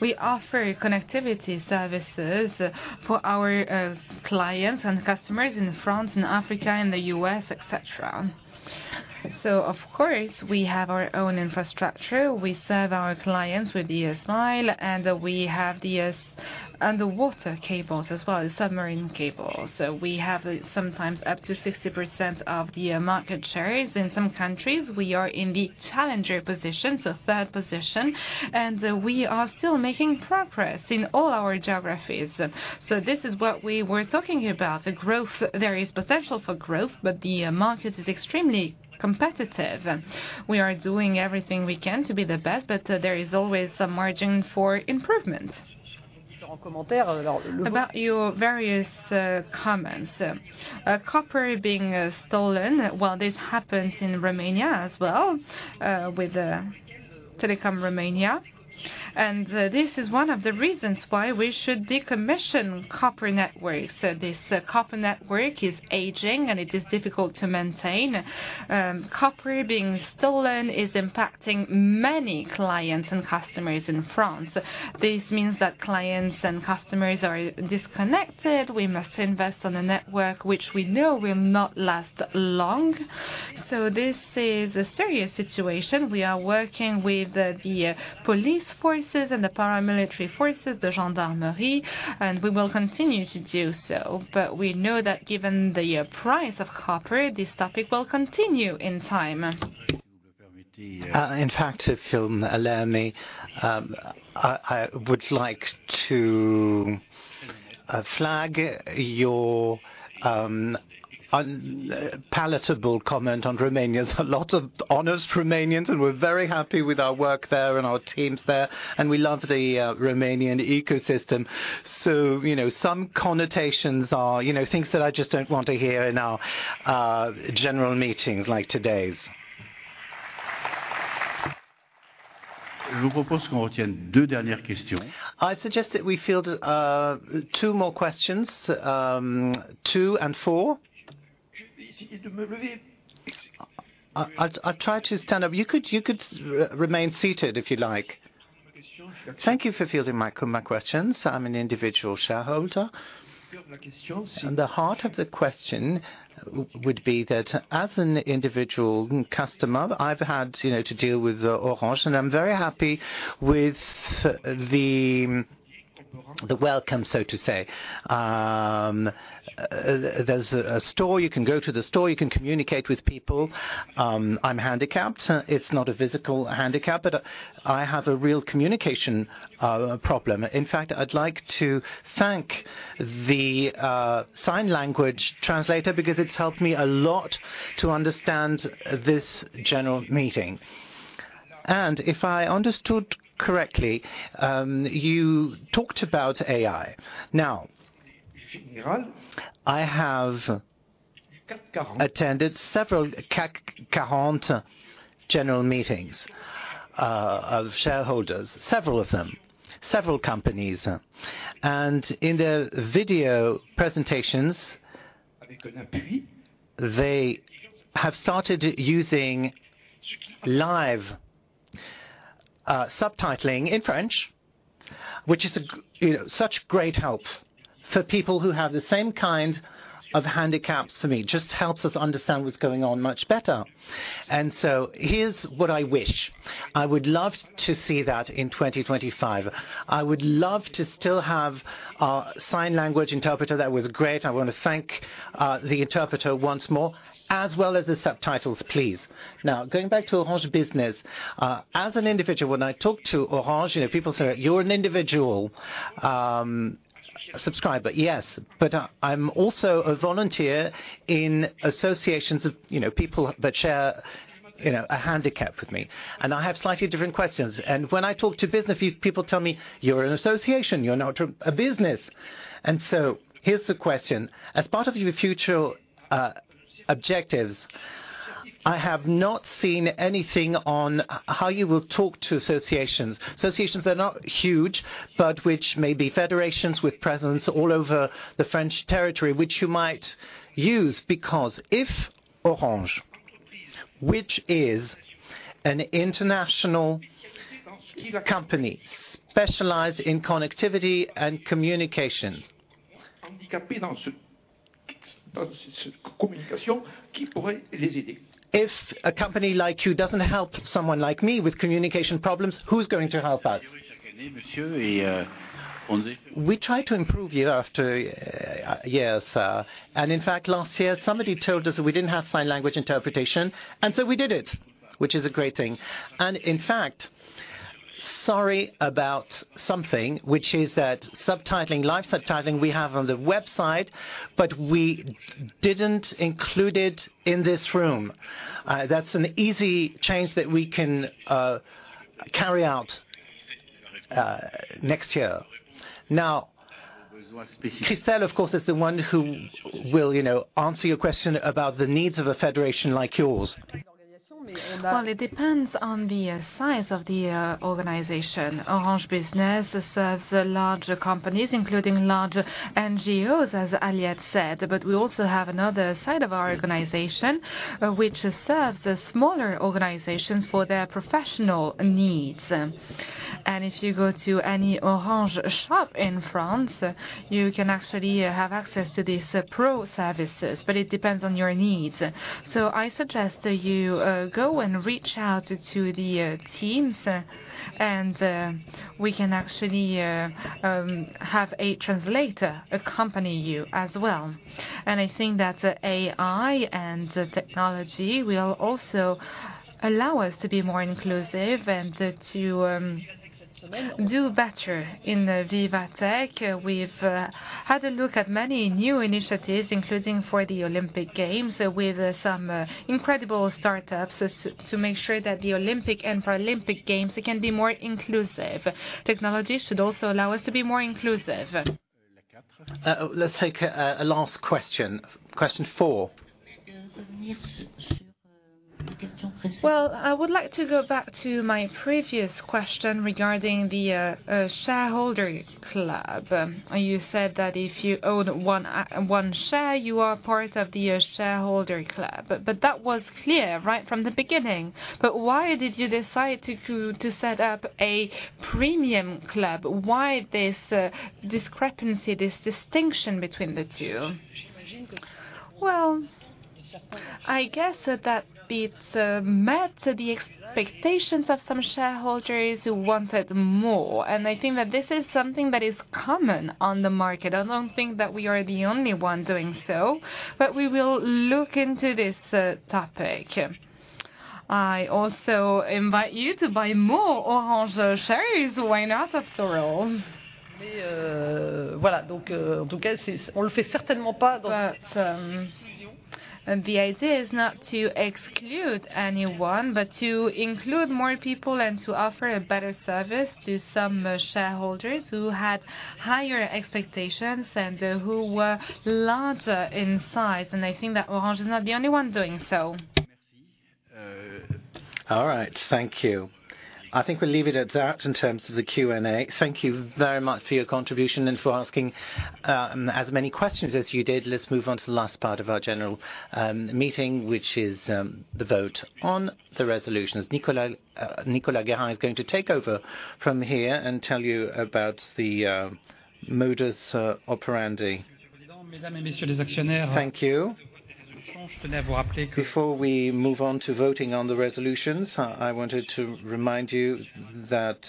we offer connectivity services for our clients and customers in France, in Africa, in the U.S., et cetera. So of course, we have our own infrastructure. We serve our clients with SME, and we have the underwater cables as well as submarine cables. So we have sometimes up to 60% of the market shares. In some countries, we are in the challenger position, so third position, and we are still making progress in all our geographies. So this is what we were talking about, the growth. There is potential for growth, but the market is extremely competitive. We are doing everything we can to be the best, but there is always some margin for improvement. About your various comments, copper being stolen. Well, this happens in Romania as well, with Telekom Romania, and this is one of the reasons why we should decommission copper networks. This copper network is aging, and it is difficult to maintain. Copper being stolen is impacting many clients and customers in France. This means that clients and customers are disconnected. We must invest on a network which we know will not last long. So this is a serious situation. We are working with the police forces and the paramilitary forces, the Gendarmerie, and we will continue to do so. But we know that given the price of copper, this topic will continue in time. In fact, if you'll allow me, I would like to flag your unpalatable comment on Romanians. A lot of honest Romanians, and we're very happy with our work there and our teams there, and we love the Romanian ecosystem. So, you know, some connotations are, you know, things that I just don't want to hear in our general meetings like today's. I suggest that we field two more questions, two and four. I tried to stand up. You could remain seated if you like. Thank you for fielding my questions. I'm an individual shareholder. And the heart of the question would be that as an individual customer, I've had, you know, to deal with Orange, and I'm very happy with the welcome, so to say. There's a store. You can go to the store, you can communicate with people. I'm handicapped. It's not a physical handicap, but I have a real communication problem. In fact, I'd like to thank the sign language translator, because it's helped me a lot to understand this general meeting. And if I understood correctly, you talked about AI. Now, I have attended several CAC 40 general meetings of shareholders, several of them, several companies. And in their video presentations, they have started using live subtitling in French, which is, you know, such great help for people who have the same kind of handicaps for me, just helps us understand what's going on much better. And so here's what I wish: I would love to see that in 2025. I would love to still have our sign language interpreter. That was great. I want to thank the interpreter once more, as well as the subtitles, please. Now, going back to Orange Business, as an individual, when I talk to Orange, you know, people say, "You're an individual subscriber." Yes, but I'm also a volunteer in associations of, you know, people that share, you know, a handicap with me, and I have slightly different questions. And when I talk to Business, people tell me, "You're an association, you're not a business." And so here's the question: As part of your future objectives, I have not seen anything on how you will talk to associations. Associations are not huge, but which may be federations with presence all over the French territory, which you might use. Because if Orange, which is an international company specialized in connectivity and communication, if a company like you doesn't help someone like me with communication problems, who's going to help us? We try to improve year after year, and in fact, last year, somebody told us that we didn't have sign language interpretation, and so we did it, which is a great thing. And in fact, sorry about something, which is that subtitling, live subtitling, we have on the website, but we didn't include it in this room. That's an easy change that we can carry out next year. Now, Christel, of course, is the one who will, you know, answer your question about the needs of a federation like yours. Well, it depends on the size of the organization. Orange Business serves larger companies, including large NGOs, as Aliette said, but we also have another side of our organization, which serves the smaller organizations for their professional needs. And if you go to any Orange shop in France, you can actually have access to these pro services, but it depends on your needs. So I suggest that you go and reach out to the teams. And we can actually have a translator accompany you as well. And I think that the AI and the technology will also allow us to be more inclusive and to do better. In the VivaTech, we've had a look at many new initiatives, including for the Olympic Games, with some incredible startups to make sure that the Olympic and Paralympic Games can be more inclusive. Technology should also allow us to be more inclusive. Let's take a last question. Question four. Well, I would like to go back to my previous question regarding the shareholder club. You said that if you owned one share, you are part of the shareholder club. But that was clear right from the beginning. But why did you decide to set up a premium club? Why this discrepancy, this distinction between the two? Well, I guess that it met the expectations of some shareholders who wanted more, and I think that this is something that is common on the market. I don't think that we are the only one doing so, but we will look into this topic. I also invite you to buy more Orange shares. Why not, after all? The idea is not to exclude anyone, but to include more people and to offer a better service to some shareholders who had higher expectations and who were larger in size. And I think that Orange is not the only one doing so. All right, thank you. I think we'll leave it at that in terms of the Q&A. Thank you very much for your contribution and for asking, as many questions as you did. Let's move on to the last part of our general, meeting, which is, the vote on the resolutions. Nicolas, Nicolas Guérin is going to take over from here and tell you about the, modus operandi. Thank you. Before we move on to voting on the resolutions, I wanted to remind you that,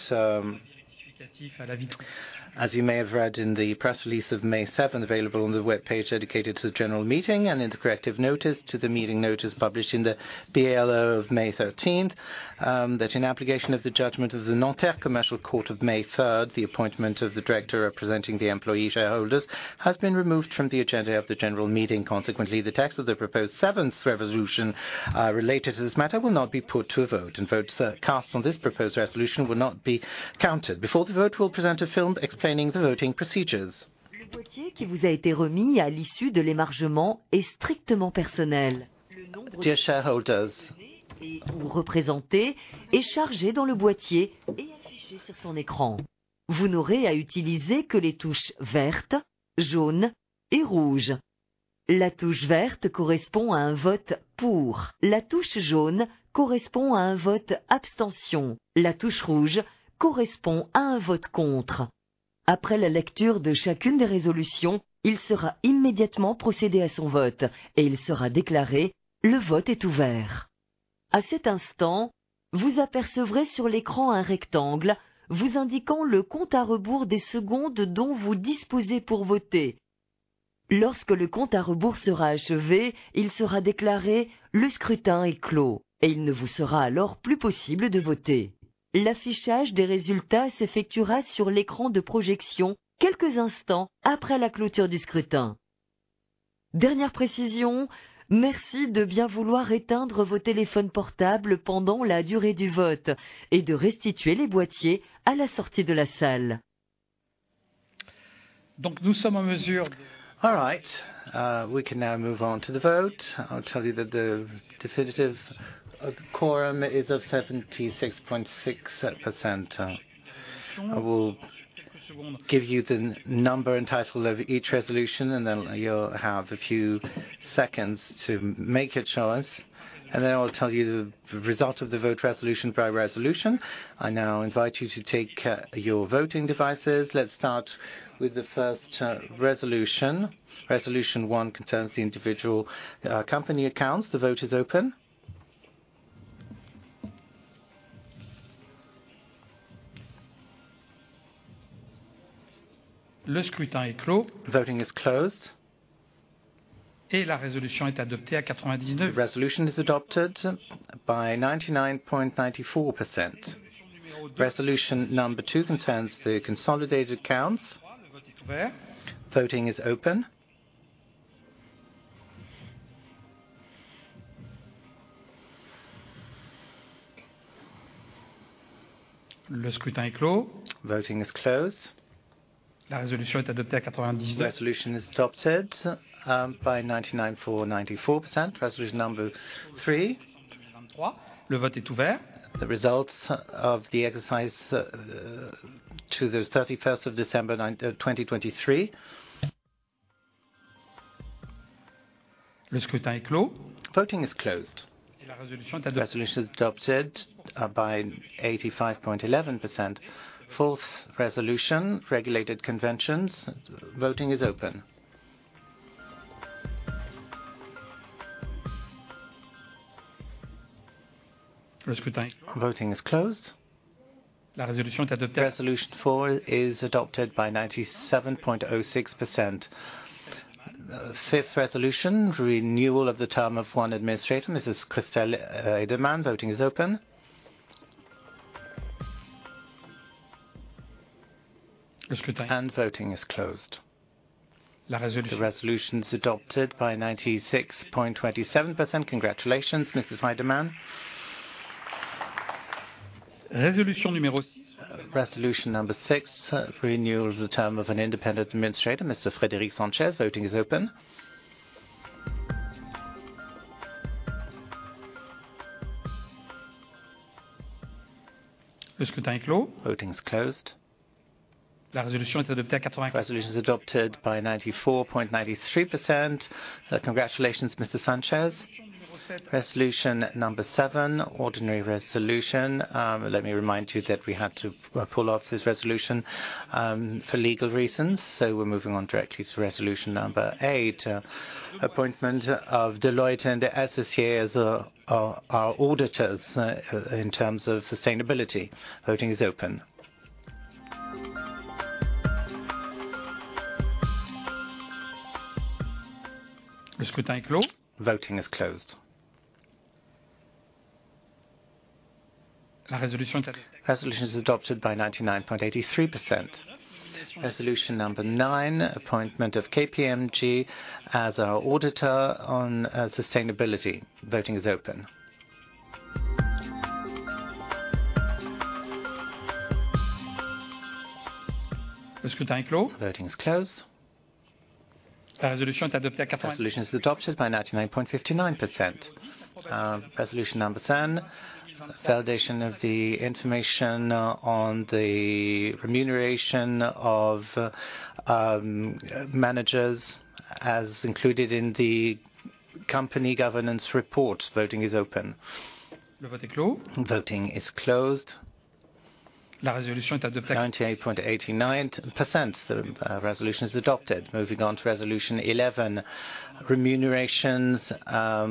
as you may have read in the press release of May 7, available on the webpage dedicated to the general meeting, and in the corrective notice to the meeting notice published in the BALO of May 13. That in application of the judgment of the Nanterre Commercial Court of May third, the appointment of the director representing the employee shareholders has been removed from the agenda of the general meeting. Consequently, the text of the proposed seventh resolution related to this matter will not be put to a vote, and votes cast on this proposed resolution will not be counted. Before the vote, we'll present a film explaining the voting procedures. Dear shareholders. All right. We can now move on to the vote. I'll tell you that the definitive quorum is of 76.6%. I will give you the number and title of each resolution, and then you'll have a few seconds to make your choice. And then I will tell you the result of the vote resolution by resolution. I now invite you to take your voting devices. Let's start with the first resolution. Resolution one concerns the individual company accounts. The vote is open. Voting is closed. The resolution is adopted by 99.94%. Resolution number two concerns the consolidated accounts. Voting is open. Voting is closed. The resolution is adopted by 99.94%. Resolution number three. The results of the exercise to the 31st of December 2023. Voting is closed. Resolution is adopted by 85.11%. Fourth resolution, regulated conventions. Voting is open. Voting is closed. Resolution four is adopted by 97.06%. Fifth resolution, renewal of the term of one administrator, Mrs. Christel Heydemann. Voting is open. Voting is closed. The resolution is adopted by 96.27%. Congratulations, Mrs. Heydemann. Resolution number six, renewal of the term of an independent administrator, Mr. Frédéric Sanchez. Voting is open. Voting is closed. Resolution is adopted by 94.93%. Congratulations, Mr. Frédéric Sanchez. Resolution number seven, ordinary resolution. Let me remind you that we had to pull off this resolution for legal reasons, so we're moving on directly to resolution number eight, appointment of Deloitte and Associates as our auditors in terms of sustainability. Voting is open. Voting is closed. Resolution is adopted by 99.83%. Resolution number nine, appointment of KPMG as our auditor on sustainability. Voting is open. Voting is closed. Resolution is adopted by 99.59%. Resolution number 10, validation of the information on the remuneration of managers as included in the company governance report. Voting is open. Voting is closed. 98.89%, the resolution is adopted. Moving on to resolution eleven, remuneration of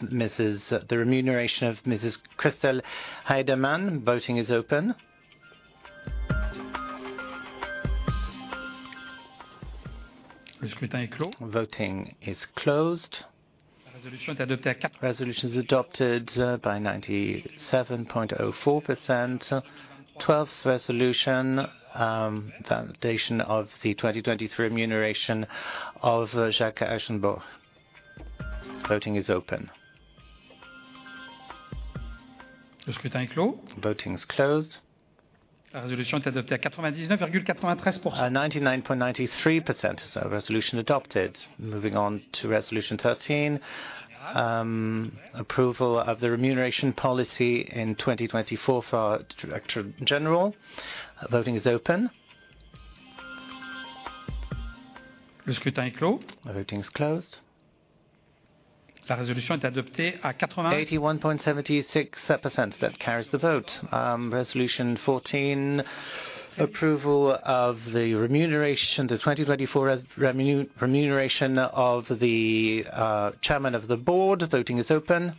Mrs. Christel Heydemann. Voting is open. Voting is closed. Resolution is adopted by 97.04%. Twelfth resolution, validation of the 2023 remuneration of Jacques Aschenbroich. Voting is open. Voting is closed. 99.93%, so resolution adopted. Moving on to resolution thirteen, approval of the remuneration policy in 2024 for our director general. Voting is open. Voting is closed. 81.76%, that carries the vote. Resolution fourteen, approval of the 2024 remuneration of the chairman of the board. Voting is open.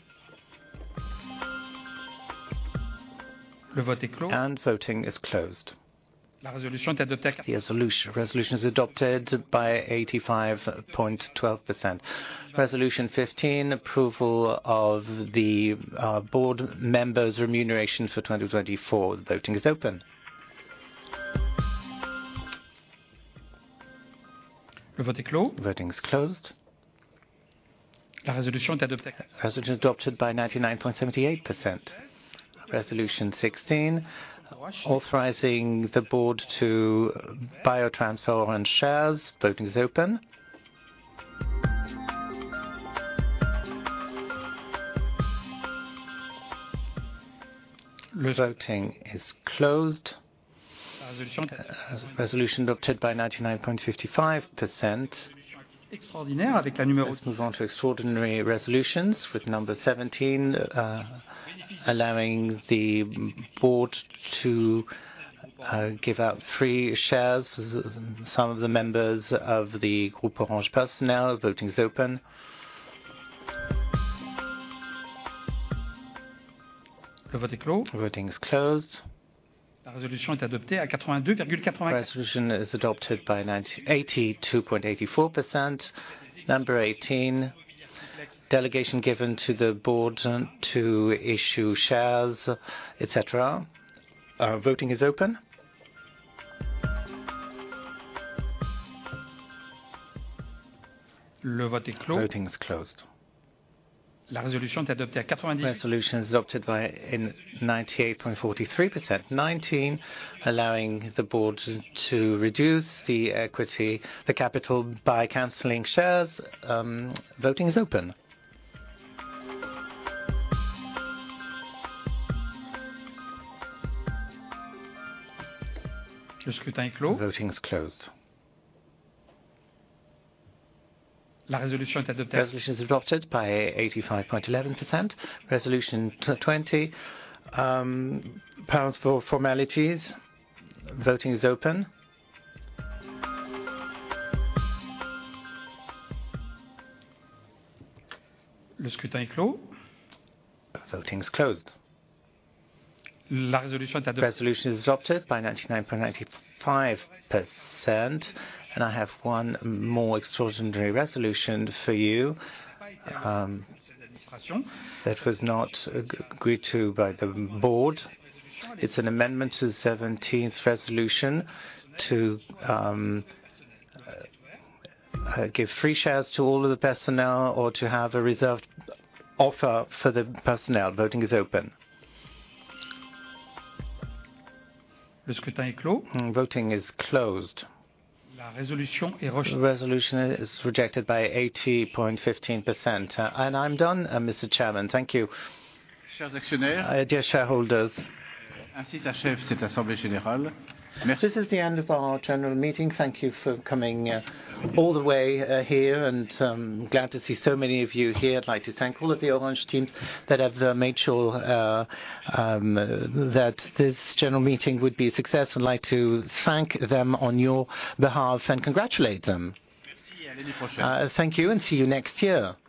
Voting is closed. The resolution is adopted by 85.12%. Resolution fifteen, approval of the board members' remunerations for 2024. Voting is open. Voting is closed. Resolution adopted by 99.78%. Resolution 16, authorizing the board to buy or transfer Orange shares. Voting is open. Voting is closed. Resolution adopted by 99.55%. Moving on to extraordinary resolutions with number 17, allowing the board to give out free shares, some of the members of the Groupe Orange personnel. Voting is open. Voting is closed. Resolution is adopted by 82.84%. Number 18, delegation given to the board to issue shares, et cetera. Voting is open. Voting is closed. Resolution is adopted by, in 98.43%. 19, allowing the board to reduce the equity, the capital, by canceling shares. Voting is open. Voting is closed. Resolution is adopted by 85.11%. Resolution 20, powers for formalities. Voting is open. Voting is closed. Resolution is adopted by 99.95%. I have one more extraordinary resolution for you, that was not agreed to by the board. It's an amendment to the 17th resolution to give free shares to all of the personnel or to have a reserved offer for the personnel. Voting is open. Voting is closed. Resolution is rejected by 80.15%. And I'm done, Mr. Chairman. Thank you. Dear shareholders, this is the end of our general meeting. Thank you for coming all the way here, and glad to see so many of you here. I'd like to thank all of the Orange teams that have made sure that this general meeting would be a success. I'd like to thank them on your behalf and congratulate them. Thank you, and see you next year.